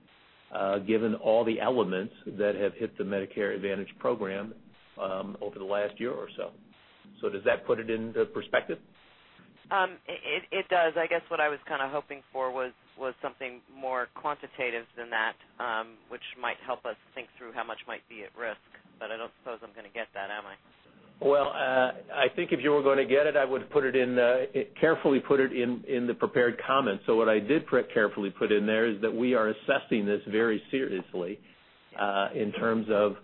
given all the elements that have hit the Medicare Advantage program over the last year or so. Does that put it into perspective? It does. I guess what I was kind of hoping for was something more quantitative than that, which might help us think through how much might be at risk, but I don't suppose I'm going to get that, am I? Well, I think if you were going to get it, I would carefully put it in the prepared comments. What I did carefully put in there is that we are assessing this very seriously in terms of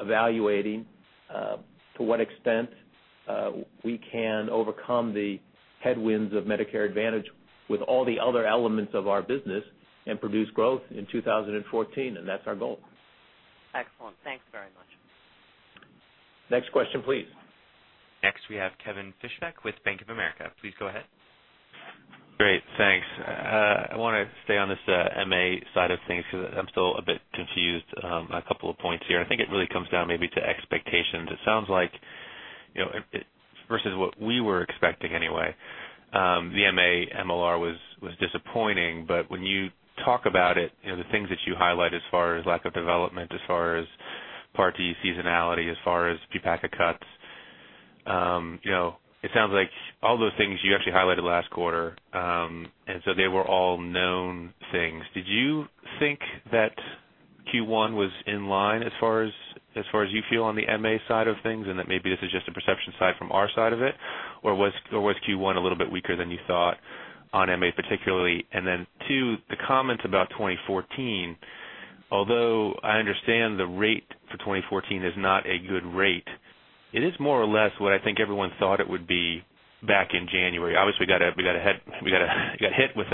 evaluating to what extent we can overcome the headwinds of Medicare Advantage with all the other elements of our business and produce growth in 2014, and that's our goal. Excellent. Thanks very much. Next question, please. Next we have Kevin Fischbeck with Bank of America. Please go ahead. Great, thanks. I want to stay on this MA side of things because I'm still a bit confused on a couple of points here. I think it really comes down maybe to expectations. It sounds like, versus what we were expecting anyway, the MA MLR was disappointing. When you talk about it, the things that you highlight as far as lack of development, as far as Part D seasonality, as far as PPACA cuts, it sounds like all those things you actually highlighted last quarter. They were all known things. Did you think that Q1 was in line as far as you feel on the MA side of things? Maybe this is just a perception side from our side of it? Was Q1 a little bit weaker than you thought on MA particularly? 2, the comments about 2014, although I understand the rate for 2014 is not a good rate, it is more or less what I think everyone thought it would be back in January. Obviously, we got hit with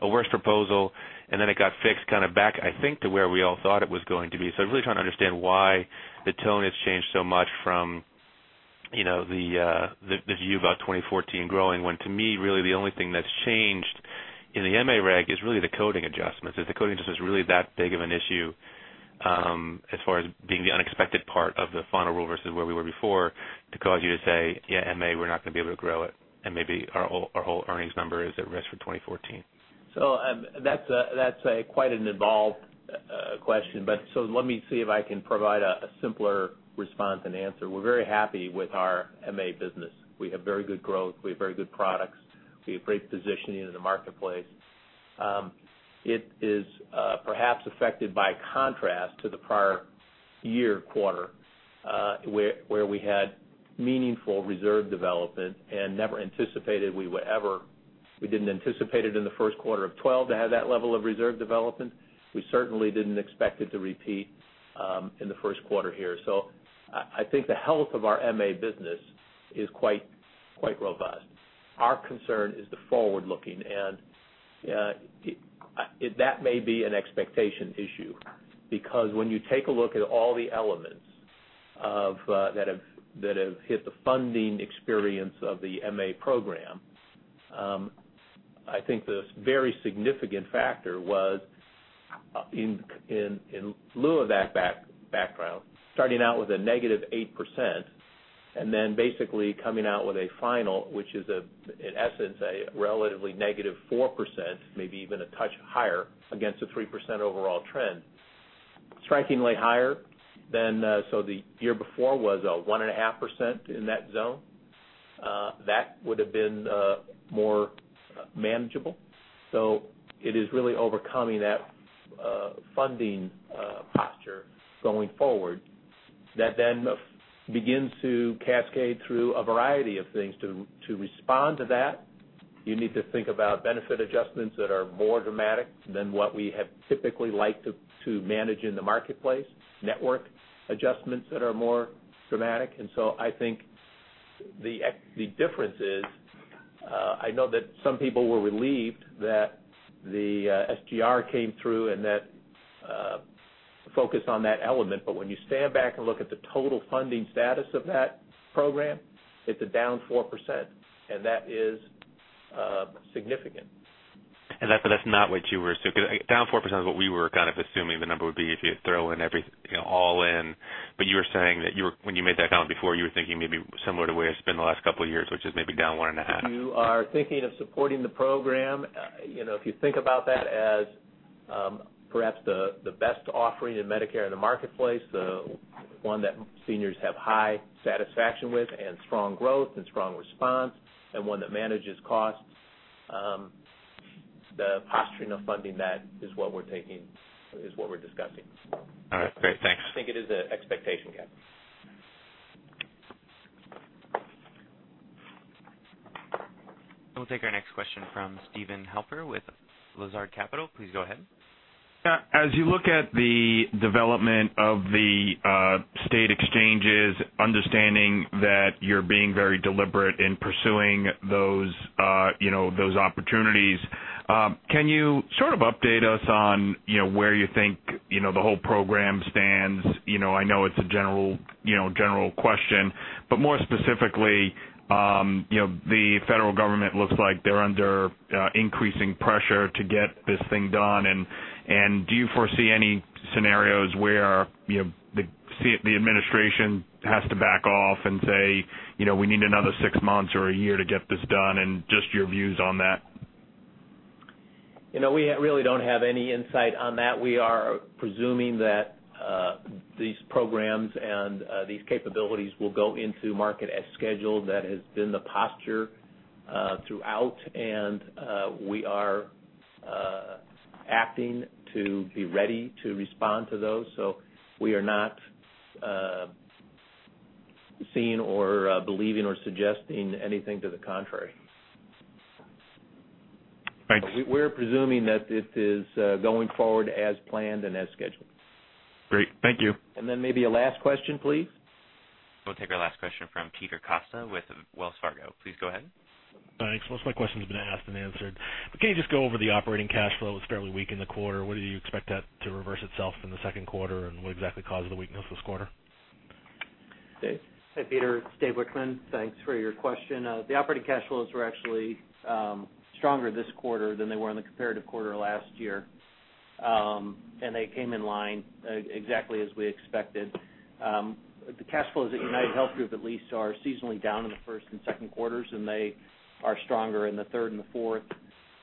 a worse proposal. It got fixed back, I think, to where we all thought it was going to be. I'm really trying to understand why the tone has changed so much from the view about 2014 growing, when to me, really the only thing that's changed in the MA reg is really the coding adjustments. If the coding adjustment is really that big of an issue as far as being the unexpected part of the final rule versus where we were before to cause you to say, "Yeah, MA, we're not going to be able to grow it, and maybe our whole earnings number is at risk for 2014. That's quite an involved question. Let me see if I can provide a simpler response and answer. We're very happy with our MA business. We have very good growth. We have very good products. We have great positioning in the marketplace. It is perhaps affected by contrast to the prior year quarter, where we had meaningful reserve development and never anticipated we didn't anticipate it in the first quarter of 2012 to have that level of reserve development. We certainly didn't expect it to repeat in the first quarter here. I think the health of our MA business is quite robust. Our concern is the forward-looking. That may be an expectation issue because when you take a look at all the elements that have hit the funding experience of the MA program, I think the very significant factor was In lieu of that background, starting out with a negative 8% and then basically coming out with a final, which is, in essence, a relatively negative 4%, maybe even a touch higher against a 3% overall trend. Strikingly higher than, the year before was a 1.5% in that zone. That would've been more manageable. It is really overcoming that funding posture going forward that then begins to cascade through a variety of things. To respond to that, you need to think about benefit adjustments that are more dramatic than what we have typically liked to manage in the marketplace. Network adjustments that are more dramatic. I think the difference is, I know that some people were relieved that the SGR came through and that focus on that element, when you stand back and look at the total funding status of that program, it's a down 4%. That is significant. That's not what you were. Because down 4% is what we were kind of assuming the number would be if you throw all in. You were saying that when you made that comment before, you were thinking maybe similar to where it's been the last couple of years, which is maybe down 1.5%. You are thinking of supporting the program. If you think about that as perhaps the best offering in Medicare in the marketplace, the one that seniors have high satisfaction with and strong growth and strong response, and one that manages cost. The posturing of funding that is what we're discussing. All right, great. Thanks. I think it is an expectation gap. We'll take our next question from Stephen Halper with Lazard Capital. Please go ahead. As you look at the development of the state exchanges, understanding that you're being very deliberate in pursuing those opportunities, can you sort of update us on where you think the whole program stands? I know it's a general question, but more specifically, the federal government looks like they're under increasing pressure to get this thing done, and do you foresee any scenarios where the administration has to back off and say, "We need another six months or a year to get this done," and just your views on that? We really don't have any insight on that. We are presuming that these programs and these capabilities will go into market as scheduled. That has been the posture throughout, and we are acting to be ready to respond to those. We are not seeing or believing or suggesting anything to the contrary. Thanks. We're presuming that it is going forward as planned and as scheduled. Great. Thank you. Maybe a last question, please. We'll take our last question from Peter Costa with Wells Fargo. Please go ahead. Thanks. Most of my questions have been asked and answered. Can you just go over the operating cash flow? It was fairly weak in the quarter. What do you expect that to reverse itself in the second quarter, and what exactly caused the weakness this quarter? Dave? Hey, Peter. It's David Wichmann. Thanks for your question. The operating cash flows were actually stronger this quarter than they were in the comparative quarter last year. They came in line exactly as we expected. The cash flows at UnitedHealth Group at least are seasonally down in the first and second quarters, and they are stronger in the third and the fourth.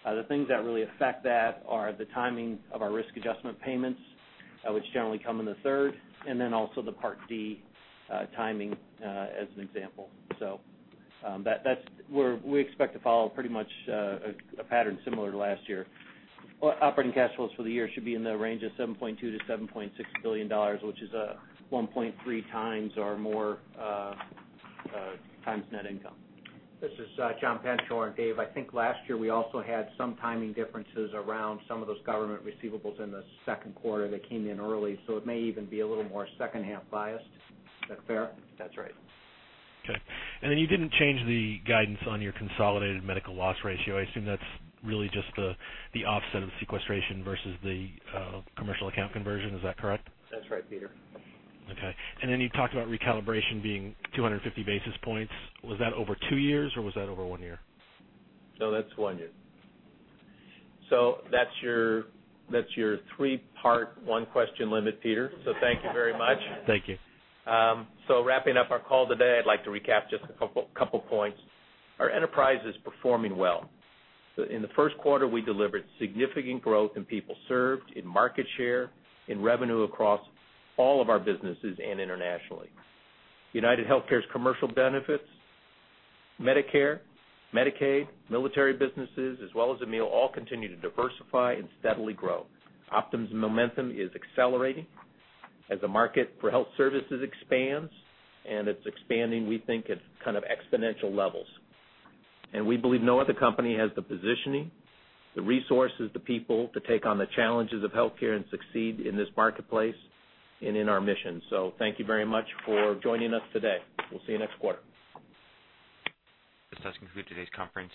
The things that really affect that are the timing of our risk adjustment payments, which generally come in the third, and also the Part D timing, as an example. We expect to follow pretty much a pattern similar to last year. Operating cash flows for the year should be in the range of $7.2 billion-$7.6 billion, which is a 1.3 times or more times net income. This is John Penshorn. Dave, I think last year we also had some timing differences around some of those government receivables in the second quarter that came in early. It may even be a little more second half biased. Is that fair? That's right. Okay. You didn't change the guidance on your consolidated Medical Loss Ratio. I assume that's really just the offset of the sequestration versus the commercial account conversion. Is that correct? That's right, Peter. Okay. You talked about recalibration being 250 basis points. Was that over two years or was that over one year? No, that's one year. That's your three-part, one question limit, Peter. Thank you very much. Thank you. Wrapping up our call today, I'd like to recap just a couple points. Our enterprise is performing well. In the first quarter, we delivered significant growth in people served, in market share, in revenue across all of our businesses and internationally. UnitedHealthcare's commercial benefits, Medicare, Medicaid, military businesses, as well as Amil, all continue to diversify and steadily grow. Optum's momentum is accelerating as the market for health services expands, and it's expanding, we think, at kind of exponential levels. We believe no other company has the positioning, the resources, the people to take on the challenges of healthcare and succeed in this marketplace and in our mission. Thank you very much for joining us today. We'll see you next quarter. This does conclude today's conference.